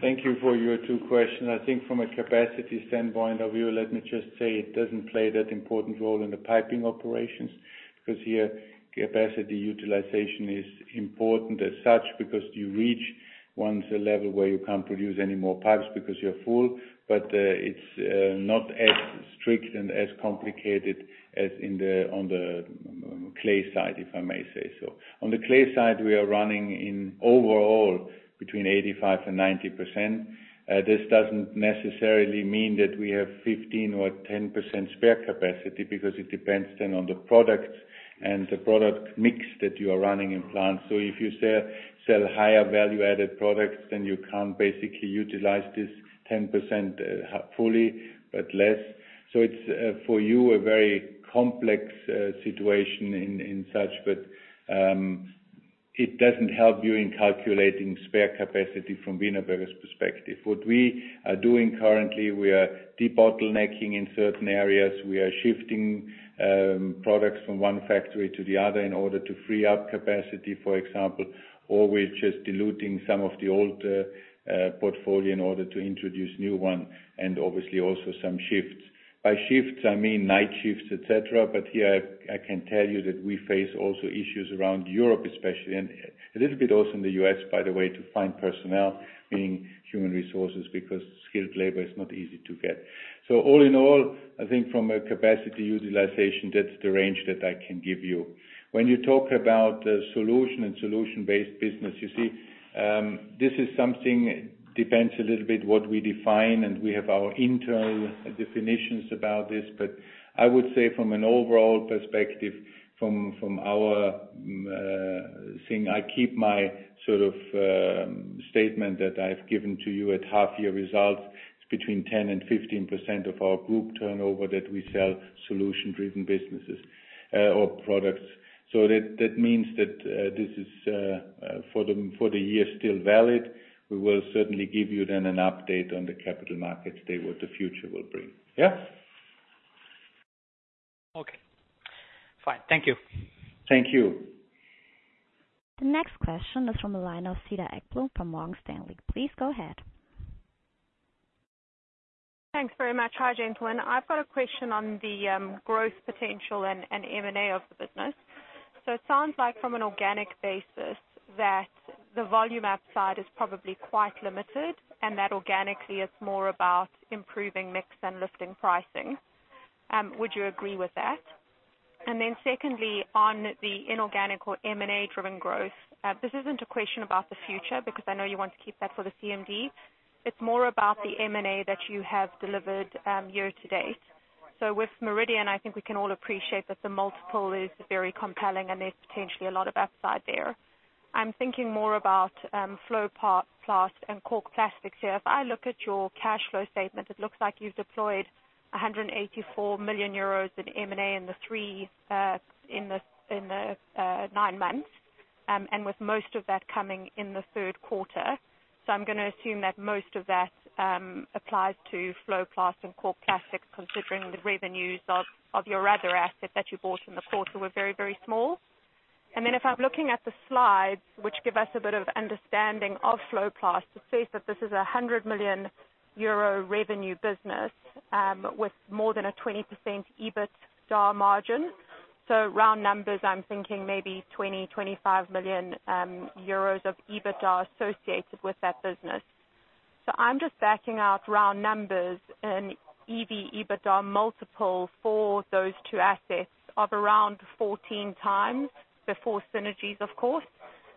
Thank you for your two questions. I think from a capacity standpoint of view, let me just say it doesn't play that important role in the piping operations, because here capacity utilization is important as such, because you reach once a level where you can't produce any more pipes because you're full. It's not as strict and as complicated as on the clay side, if I may say so. On the clay side, we are running in overall between 85%-90%. This doesn't necessarily mean that we have 15% or 10% spare capacity because it depends then on the products and the product mix that you are running in plants. If you sell higher value-added products, then you can't basically utilize this 10% fully, but less. It's for you a very complex situation in such. It doesn't help you in calculating spare capacity from Wienerberger's perspective. What we are doing currently, we are debottlenecking in certain areas. We are shifting products from one factory to the other in order to free up capacity, for example, or we're just diluting some of the old portfolio in order to introduce new one, and obviously also some shifts. By shifts I mean night shifts, et cetera. Here I can tell you that we face also issues around Europe especially, and a little bit also in the U.S., by the way, to find personnel, meaning human resources, because skilled labor is not easy to get. All in all, I think from a capacity utilization, that's the range that I can give you. When you talk about solution and solution-based business, you see, this is something depends a little bit what we define, and we have our internal definitions about this. But I would say from an overall perspective, from our thing, I keep my sort of statement that I've given to you at half year results. It's between 10% and 15% of our group turnover that we sell solution-driven businesses or products. So that means that this is for the year still valid. We will certainly give you then an update on the capital markets day, what the future will bring. Yeah? Okay. Fine. Thank you. Thank you. The next question is from the line of Cedar Ekblom from Morgan Stanley. Please go ahead. Thanks very much. Hi, gentlemen. I've got a question on the growth potential and M&A of the business. It sounds like from an organic basis that the volume upside is probably quite limited and that organically it's more about improving mix and lifting pricing. Would you agree with that? Then secondly, on the inorganic or M&A-driven growth. This isn't a question about the future because I know you want to keep that for the CMD. It's more about the M&A that you have delivered year to date. With Meridian, I think we can all appreciate that the multiple is very compelling and there's potentially a lot of upside there. I'm thinking more about FloPlast and Cork Plastics here. If I look at your cash flow statement, it looks like you've deployed 184 million euros in M&A in the nine months, and with most of that coming in the third quarter. I'm gonna assume that most of that applies to FloPlast and Cork Plastics, considering the revenues of your other asset that you bought in the quarter were very small. If I'm looking at the slides, which give us a bit of understanding of FloPlast, it says that this is a 100 million euro revenue business with more than a 20% EBITDA margin. Round numbers, I'm thinking maybe 20 million-25 million euros of EBITDA associated with that business. I'm just backing out round numbers and EV, EBITDA multiple for those two assets of around 14x before synergies, of course.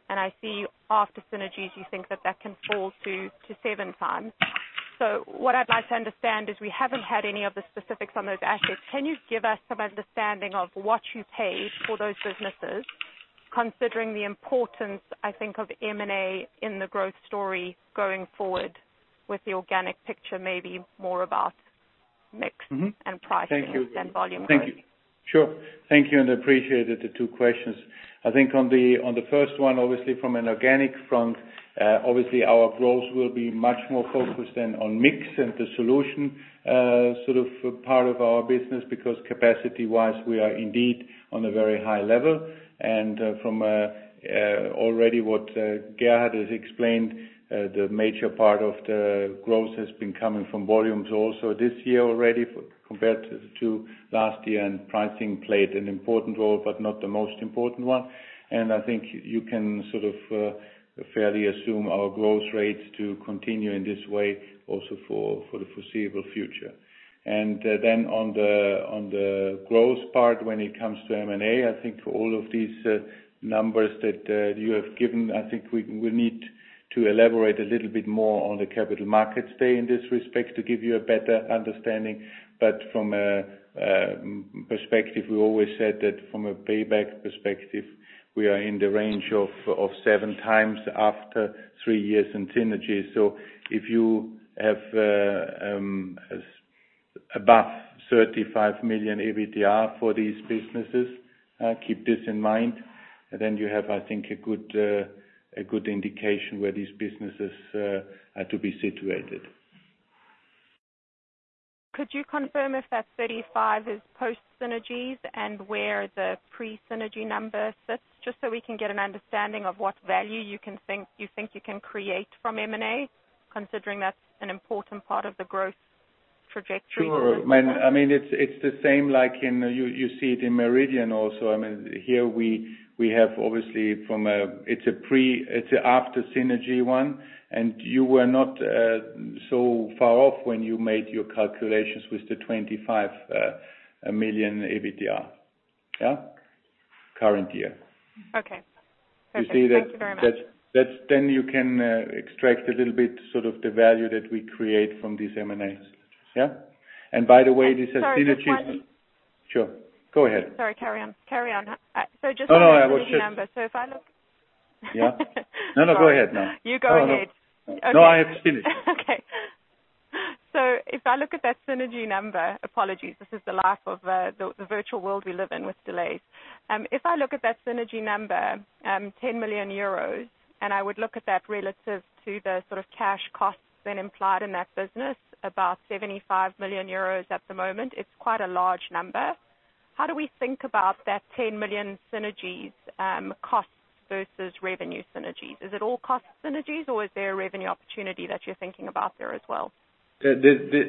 I see after synergies, you think that that can fall to 7x. What I'd like to understand is we haven't had any of the specifics on those assets. Can you give us some understanding of what you paid for those businesses, considering the importance, I think of M&A in the growth story going forward with the organic picture may be more about mix and pricing. Thank you. Volume. Thank you. Sure. Thank you, and I appreciate the two questions. I think on the first one, obviously from an organic front, obviously our growth will be much more focused on mix and the solutions sort of part of our business. Because capacity-wise, we are indeed on a very high level. From already what Gerhard has explained, the major part of the growth has been coming from volumes also this year already compared to last year, and pricing played an important role, but not the most important one. I think you can sort of fairly assume our growth rates to continue in this way also for the foreseeable future. On the growth part, when it comes to M&A, I think for all of these numbers that you have given, I think we need to elaborate a little bit more on the Capital Markets Day in this respect to give you a better understanding. From a perspective, we always said that from a payback perspective, we are in the range of 7x after three years in synergies. If you have as above 35 million EBITDA for these businesses, keep this in mind, then you have, I think, a good indication where these businesses are to be situated. Could you confirm if that 35 is post synergies and where the pre-synergy number sits, just so we can get an understanding of what value you think you can create from M&A, considering that's an important part of the growth trajectory? Sure. I mean, it's the same like you see it in Meridian also. I mean, here we have obviously from a. It's an after synergy one, and you were not so far off when you made your calculations with the 25 million EBITDA. Yeah. Current year. Okay. Perfect. You see that- Thank you very much. That's then you can extract a little bit sort of the value that we create from these M&As. Yeah. By the way, this synergy- Sorry, just one- Sure, go ahead. Sorry, carry on. Just on- Oh, no. I was just. The synergy number. If I look Yeah. No, no, go ahead. No. You go ahead. No, no. Okay. No, I have finished. Okay. If I look at that synergy number. Apologies, this is the life of the virtual world we live in with delays. If I look at that synergy number, 10 million euros, and I would look at that relative to the sort of cash costs then implied in that business, about 75 million euros at the moment. It's quite a large number. How do we think about that 10 million synergies, costs versus revenue synergies? Is it all cost synergies, or is there a revenue opportunity that you're thinking about there as well?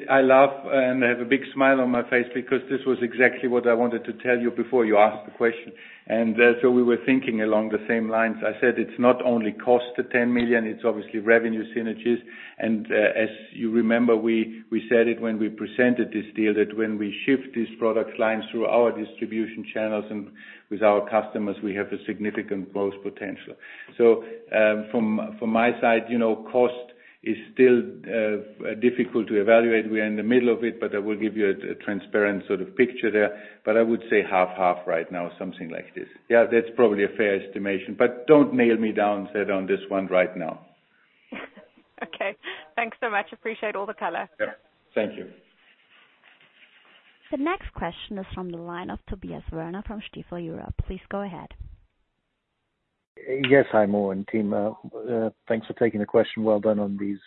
I laugh, and I have a big smile on my face because this was exactly what I wanted to tell you before you asked the question. We were thinking along the same lines. I said it's not only cost to 10 million, it's obviously revenue synergies. As you remember, we said it when we presented this deal, that when we shift these product lines through our distribution channels and with our customers, we have a significant growth potential. From my side, you know, cost is still difficult to evaluate. We are in the middle of it, but I will give you a transparent sort of picture there. I would say half-half right now, something like this. Yeah, that's probably a fair estimation, but don't nail me down, Cedar, on this one right now. Okay. Thanks so much. I appreciate all the color. Yeah. Thank you. The next question is from the line of Tobias Woerner from Stifel Europe. Please go ahead. Yes, Heimo and team. Thanks for taking the question. Well done on these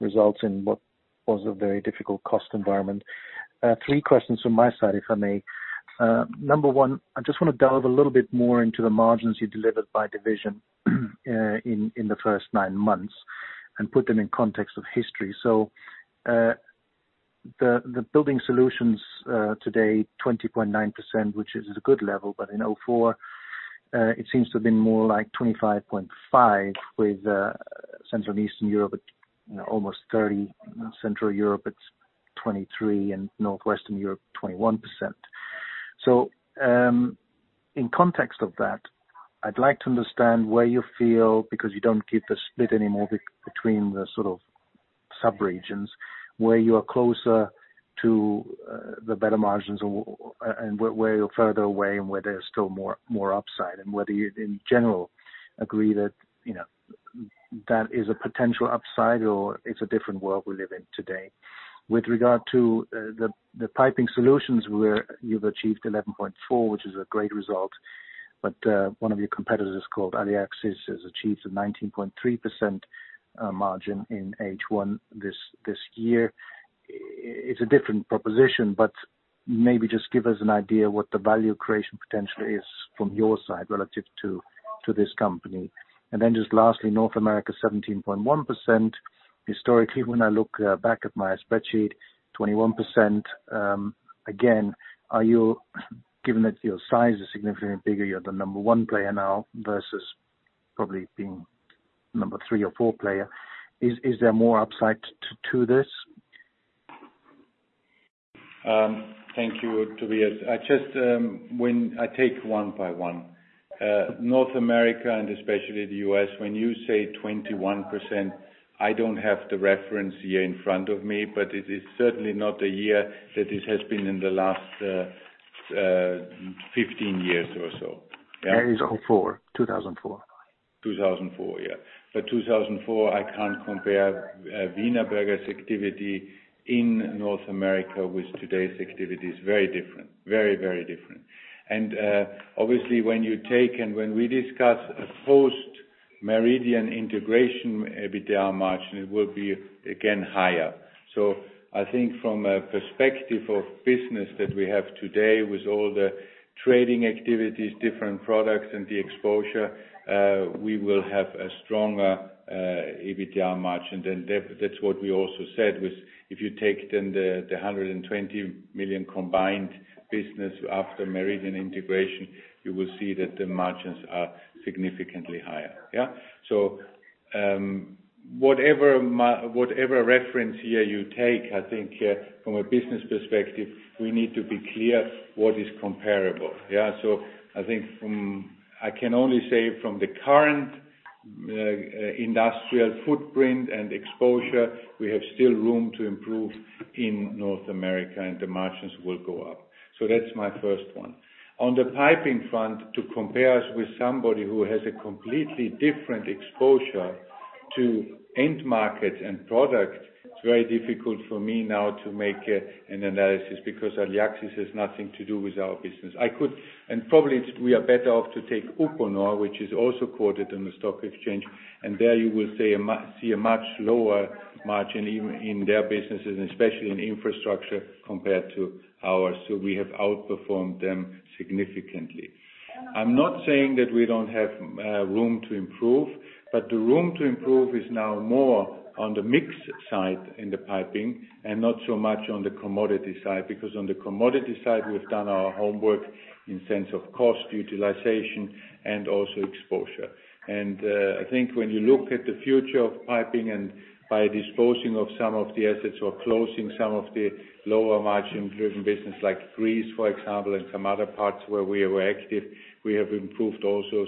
results in what was a very difficult cost environment. Three questions from my side, if I may. Number one, I just wanna delve a little bit more into the margins you delivered by division in the first nine months and put them in context of history. The Building Solutions today 20.9%, which is a good level, but in 2004, it seems to have been more like 25.5% with Central and Eastern Europe at, you know, almost 30%. Central Europe, it's 23%, and Northwestern Europe, 21%. In context of that, I'd like to understand where you feel, because you don't keep the split anymore between the sort of subregions, where you are closer to the better margins or where you're further away and where there's still more upside. Whether you, in general, agree that, you know, that is a potential upside or it's a different world we live in today. With regard to the Piping Solutions where you've achieved 11.4%, which is a great result. One of your competitors called Aliaxis has achieved a 19.3% margin in H1 this year. It's a different proposition, but maybe just give us an idea what the value creation potential is from your side relative to this company. Then just lastly, North America, 17.1%. Historically, when I look back at my spreadsheet, 21%, again. Given that your size is significantly bigger, you're the number 1 player now versus probably being number 3 or 4 player, is there more upside to this? Thank you, Tobias. I just, I take one by one. North America and especially the U.S., when you say 21%, I don't have the reference year in front of me, but it is certainly not a year that it has been in the last 15 years or so. Yeah. That is '04. 2004. 2004, yeah. 2004, I can't compare Wienerberger's activity in North America with today's activities. Very different. Very, very different. Obviously, when you take and when we discuss a post Meridian integration EBITDA margin, it will be again higher. I think from a perspective of business that we have today with all the trading activities, different products and the exposure, we will have a stronger EBITDA margin. That, that's what we also said was if you take then the 120 million combined business after Meridian integration, you will see that the margins are significantly higher. Yeah. Whatever reference here you take, I think, from a business perspective, we need to be clear what is comparable. Yeah. I can only say from the current industrial footprint and exposure, we have still room to improve in North America, and the margins will go up. That's my first one. On the piping front, to compare us with somebody who has a completely different exposure to end market and product, it's very difficult for me now to make an analysis because Aliaxis has nothing to do with our business. Probably we are better off to take Uponor, which is also quoted in the stock exchange, and there you will see a much lower margin in their businesses, especially in infrastructure, compared to ours. We have outperformed them significantly. I'm not saying that we don't have room to improve, but the room to improve is now more on the mix side in the piping and not so much on the commodity side. Because on the commodity side, we've done our homework in sense of cost utilization and also exposure. I think when you look at the future of piping and by disposing of some of the assets or closing some of the lower margin-driven business like Greece, for example, and some other parts where we were active, we have improved also.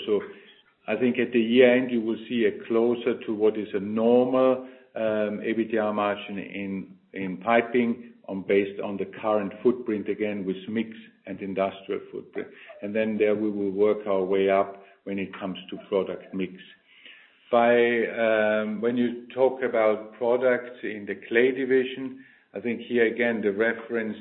I think at the year-end, you will see a closer to what is a normal EBITDA margin in piping based on the current footprint, again, with mix and industrial footprint. Then there we will work our way up when it comes to product mix. When you talk about products in the clay division, I think here again, the reference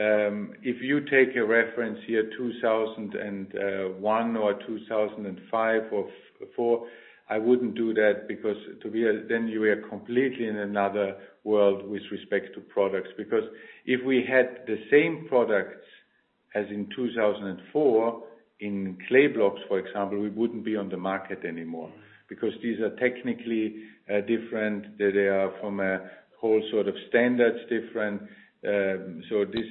here, if you take a reference year 2001 or 2005 or 2004, I wouldn't do that because, Tobias, then you are completely in another world with respect to products. Because if we had the same products as in 2004 in clay blocks, for example, we wouldn't be on the market anymore because these are technically different. They are from a whole sort of different standards. So this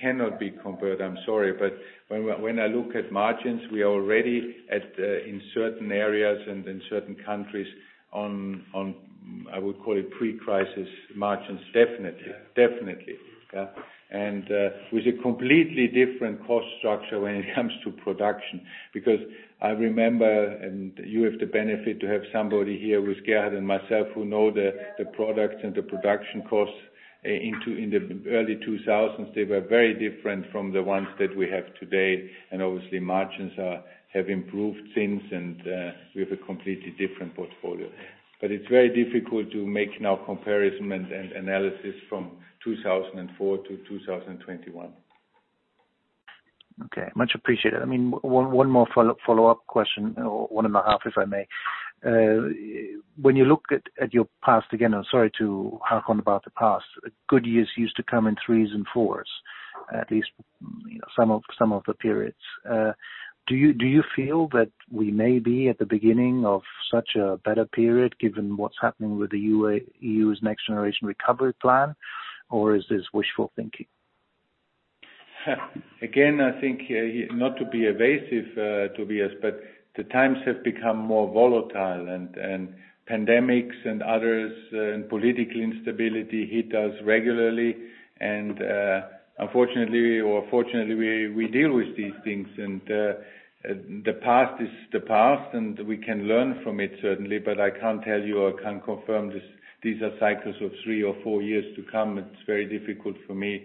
cannot be compared, I'm sorry. When I look at margins, we are already at, in certain areas and in certain countries on, I would call it pre-crisis margins. Definitely. Yeah. With a completely different cost structure when it comes to production. Because I remember, and you have the benefit to have somebody here with Gerhard and myself who know the products and the production costs in the early 2000s, they were very different from the ones that we have today. Obviously, margins have improved since, and we have a completely different portfolio. It's very difficult to make any comparison and analysis from 2004 to 2021. Okay. Much appreciated. I mean, one more follow-up question or one and a half, if I may. When you look at your past again, I'm sorry to harp on about the past, good years used to come in threes and fours, at least, you know, some of the periods. Do you feel that we may be at the beginning of such a better period given what's happening with the EU's NextGenerationEU, or is this wishful thinking? Again, I think, not to be evasive, Tobias, but the times have become more volatile and pandemics and others, and political instability hit us regularly. Unfortunately or fortunately, we deal with these things. The past is the past, and we can learn from it, certainly, but I can't tell you or can't confirm this. These are cycles of three or four years to come. It's very difficult for me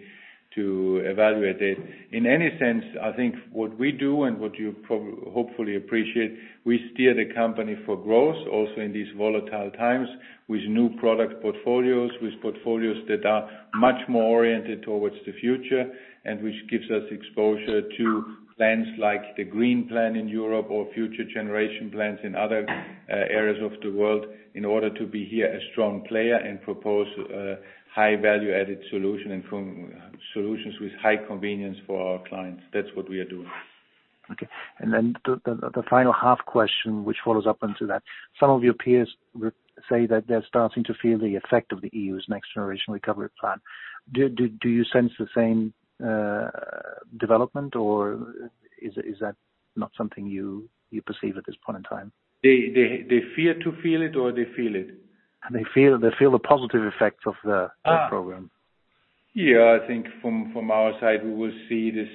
to evaluate it. In any sense, I think what we do and what you hopefully appreciate, we steer the company for growth also in these volatile times with new product portfolios, with portfolios that are much more oriented towards the future and which gives us exposure to plans like the green plan in Europe or future generation plans in other areas of the world in order to be here a strong player and propose a high value-added solution and solutions with high convenience for our clients. That's what we are doing. Okay. Then the final half question, which follows up into that. Some of your peers say that they're starting to feel the effect of the EU's NextGeneration Recovery Plan. Do you sense the same development, or is that not something you perceive at this point in time? They fear to feel it or they feel it? They feel the positive effects of the. Ah. -program. Yeah, I think from our side, we will see this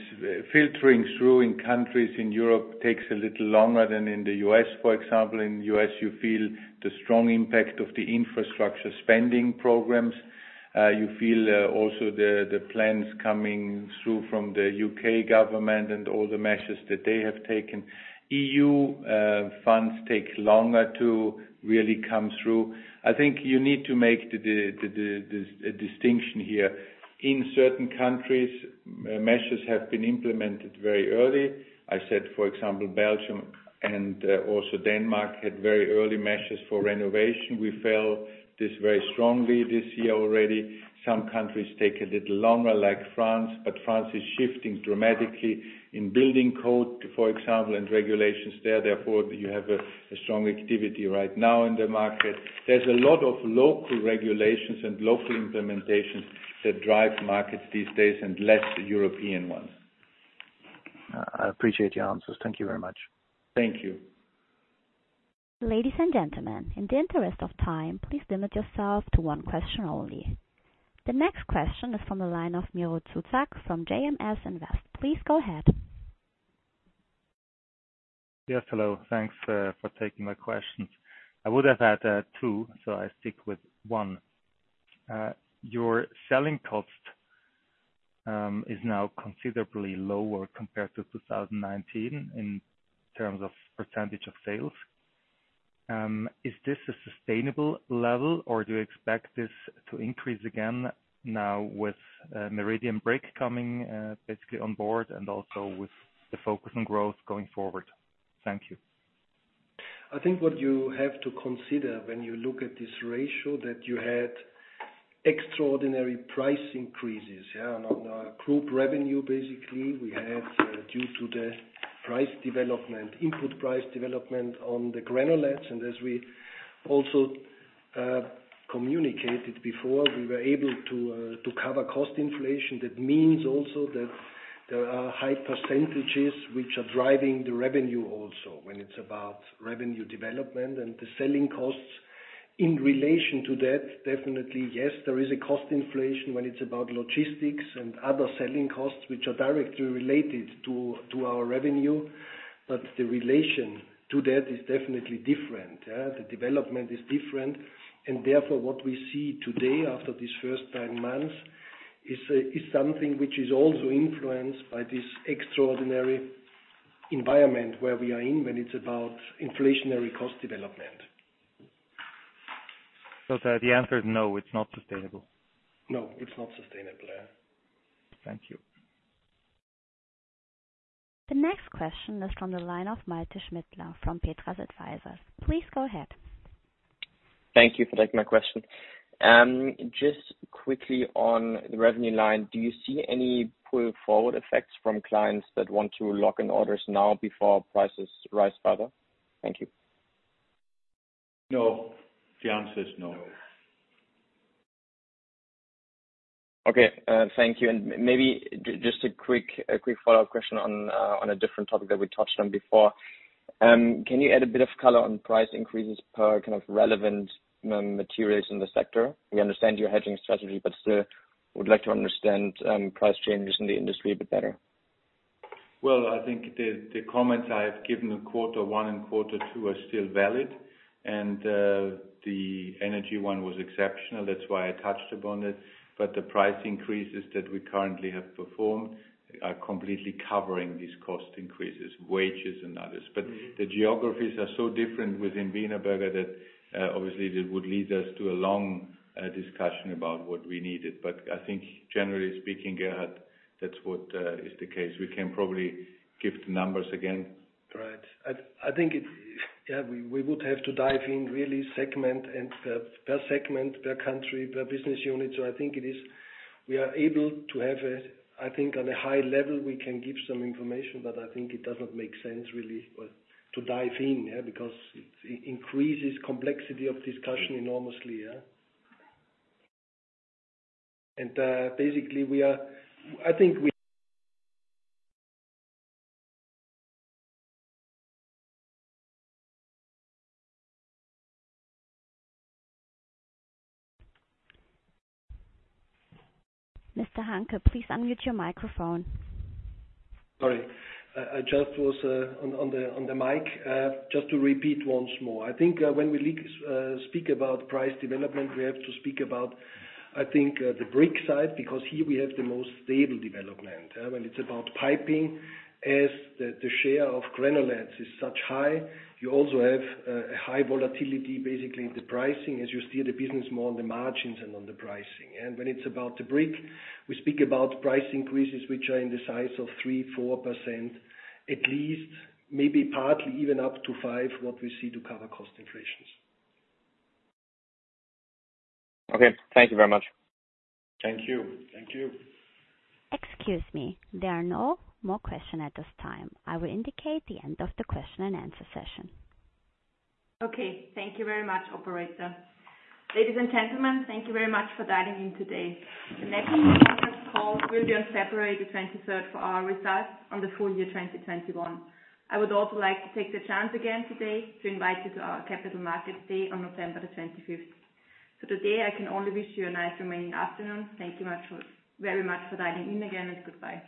filtering through in countries in Europe takes a little longer than in the U.S., for example. In the U.S., you feel the strong impact of the infrastructure spending programs. You feel also the plans coming through from the U.K. government and all the measures that they have taken. EU funds take longer to really come through. I think you need to make the distinction here. In certain countries, measures have been implemented very early. I said, for example, Belgium and also Denmark had very early measures for renovation. We felt this very strongly this year already. Some countries take a little longer, like France, but France is shifting dramatically in building code, for example, and regulations there. Therefore, you have a strong activity right now in the market. There's a lot of local regulations and local implementations that drive markets these days and less European ones. I appreciate your answers. Thank you very much. Thank you. Ladies and gentlemen, in the interest of time, please limit yourself to one question only. The next question is from the line of Miro Zuzak from JMS Invest. Please go ahead. Yes, hello. Thanks for taking my questions. I would have had two, so I stick with one. Your selling cost is now considerably lower compared to 2019 in terms of percentage of sales. Is this a sustainable level, or do you expect this to increase again now with Meridian Brick coming basically on board and also with the focus on growth going forward? Thank you. I think what you have to consider when you look at this ratio that you had extraordinary price increases, yeah, on our group revenue, basically. We had due to the input price development on the granulates. As we also communicated before, we were able to to cover cost inflation. That means also that there are high percentages which are driving the revenue also when it's about revenue development and the selling costs. In relation to that, definitely, yes, there is a cost inflation when it's about logistics and other selling costs which are directly related to our revenue. The relation to that is definitely different. The development is different, and therefore, what we see today after this first nine months is something which is also influenced by this extraordinary environment where we are in, when it's about inflationary cost development. The answer is no, it's not sustainable. No, it's not sustainable, yeah. Thank you. The next question is from the line of Malte Schmitter from Petrus Advisers. Please go ahead. Thank you for taking my question. Just quickly on the revenue line, do you see any pull-forward effects from clients that want to lock in orders now before prices rise further? Thank you. No. The answer is no. Okay, thank you. Maybe just a quick follow-up question on a different topic that we touched on before. Can you add a bit of color on price increases per kind of relevant materials in the sector? We understand your hedging strategy, but still would like to understand price changes in the industry a bit better. Well, I think the comments I have given in quarter one and quarter two are still valid, and the energy one was exceptional. That's why I touched upon it. The price increases that we currently have performed are completely covering these cost increases, wages and others. The geographies are so different within Wienerberger that obviously that would lead us to a long discussion about what we needed. I think generally speaking, Gerhard, that's what is the case. We can probably give the numbers again. Right. Yeah, we would have to dive in really segment and per segment, per country, per business unit. I think on a high level, we can give some information, but I think it doesn't make sense really to dive in, yeah, because it increases complexity of discussion enormously, yeah. Basically, I think we Mr. Hanke, please unmute your microphone. Sorry. I just was on the mic. Just to repeat once more. I think when we speak about price development, we have to speak about the brick side, because here we have the most stable development. When it's about piping, as the share of granulates is so high, you also have a high volatility, basically the pricing as you steer the business more on the margins and on the pricing. When it's about the brick, we speak about price increases, which are in the size of 3%-4%, at least, maybe partly even up to 5%, which we see to cover cost inflation. Okay. Thank you very much. Thank you. Thank you. Excuse me. There are no more questions at this time. I will indicate the end of the question and answer session. Okay. Thank you very much, operator. Ladies and gentlemen, thank you very much for dialing in today. The next investor call will be on February 23 for our results on the full year 2021. I would also like to take the chance again today to invite you to our Capital Markets Day on November 25. For today, I can only wish you a nice remaining afternoon. Thank you very much for dialing in again, and goodbye.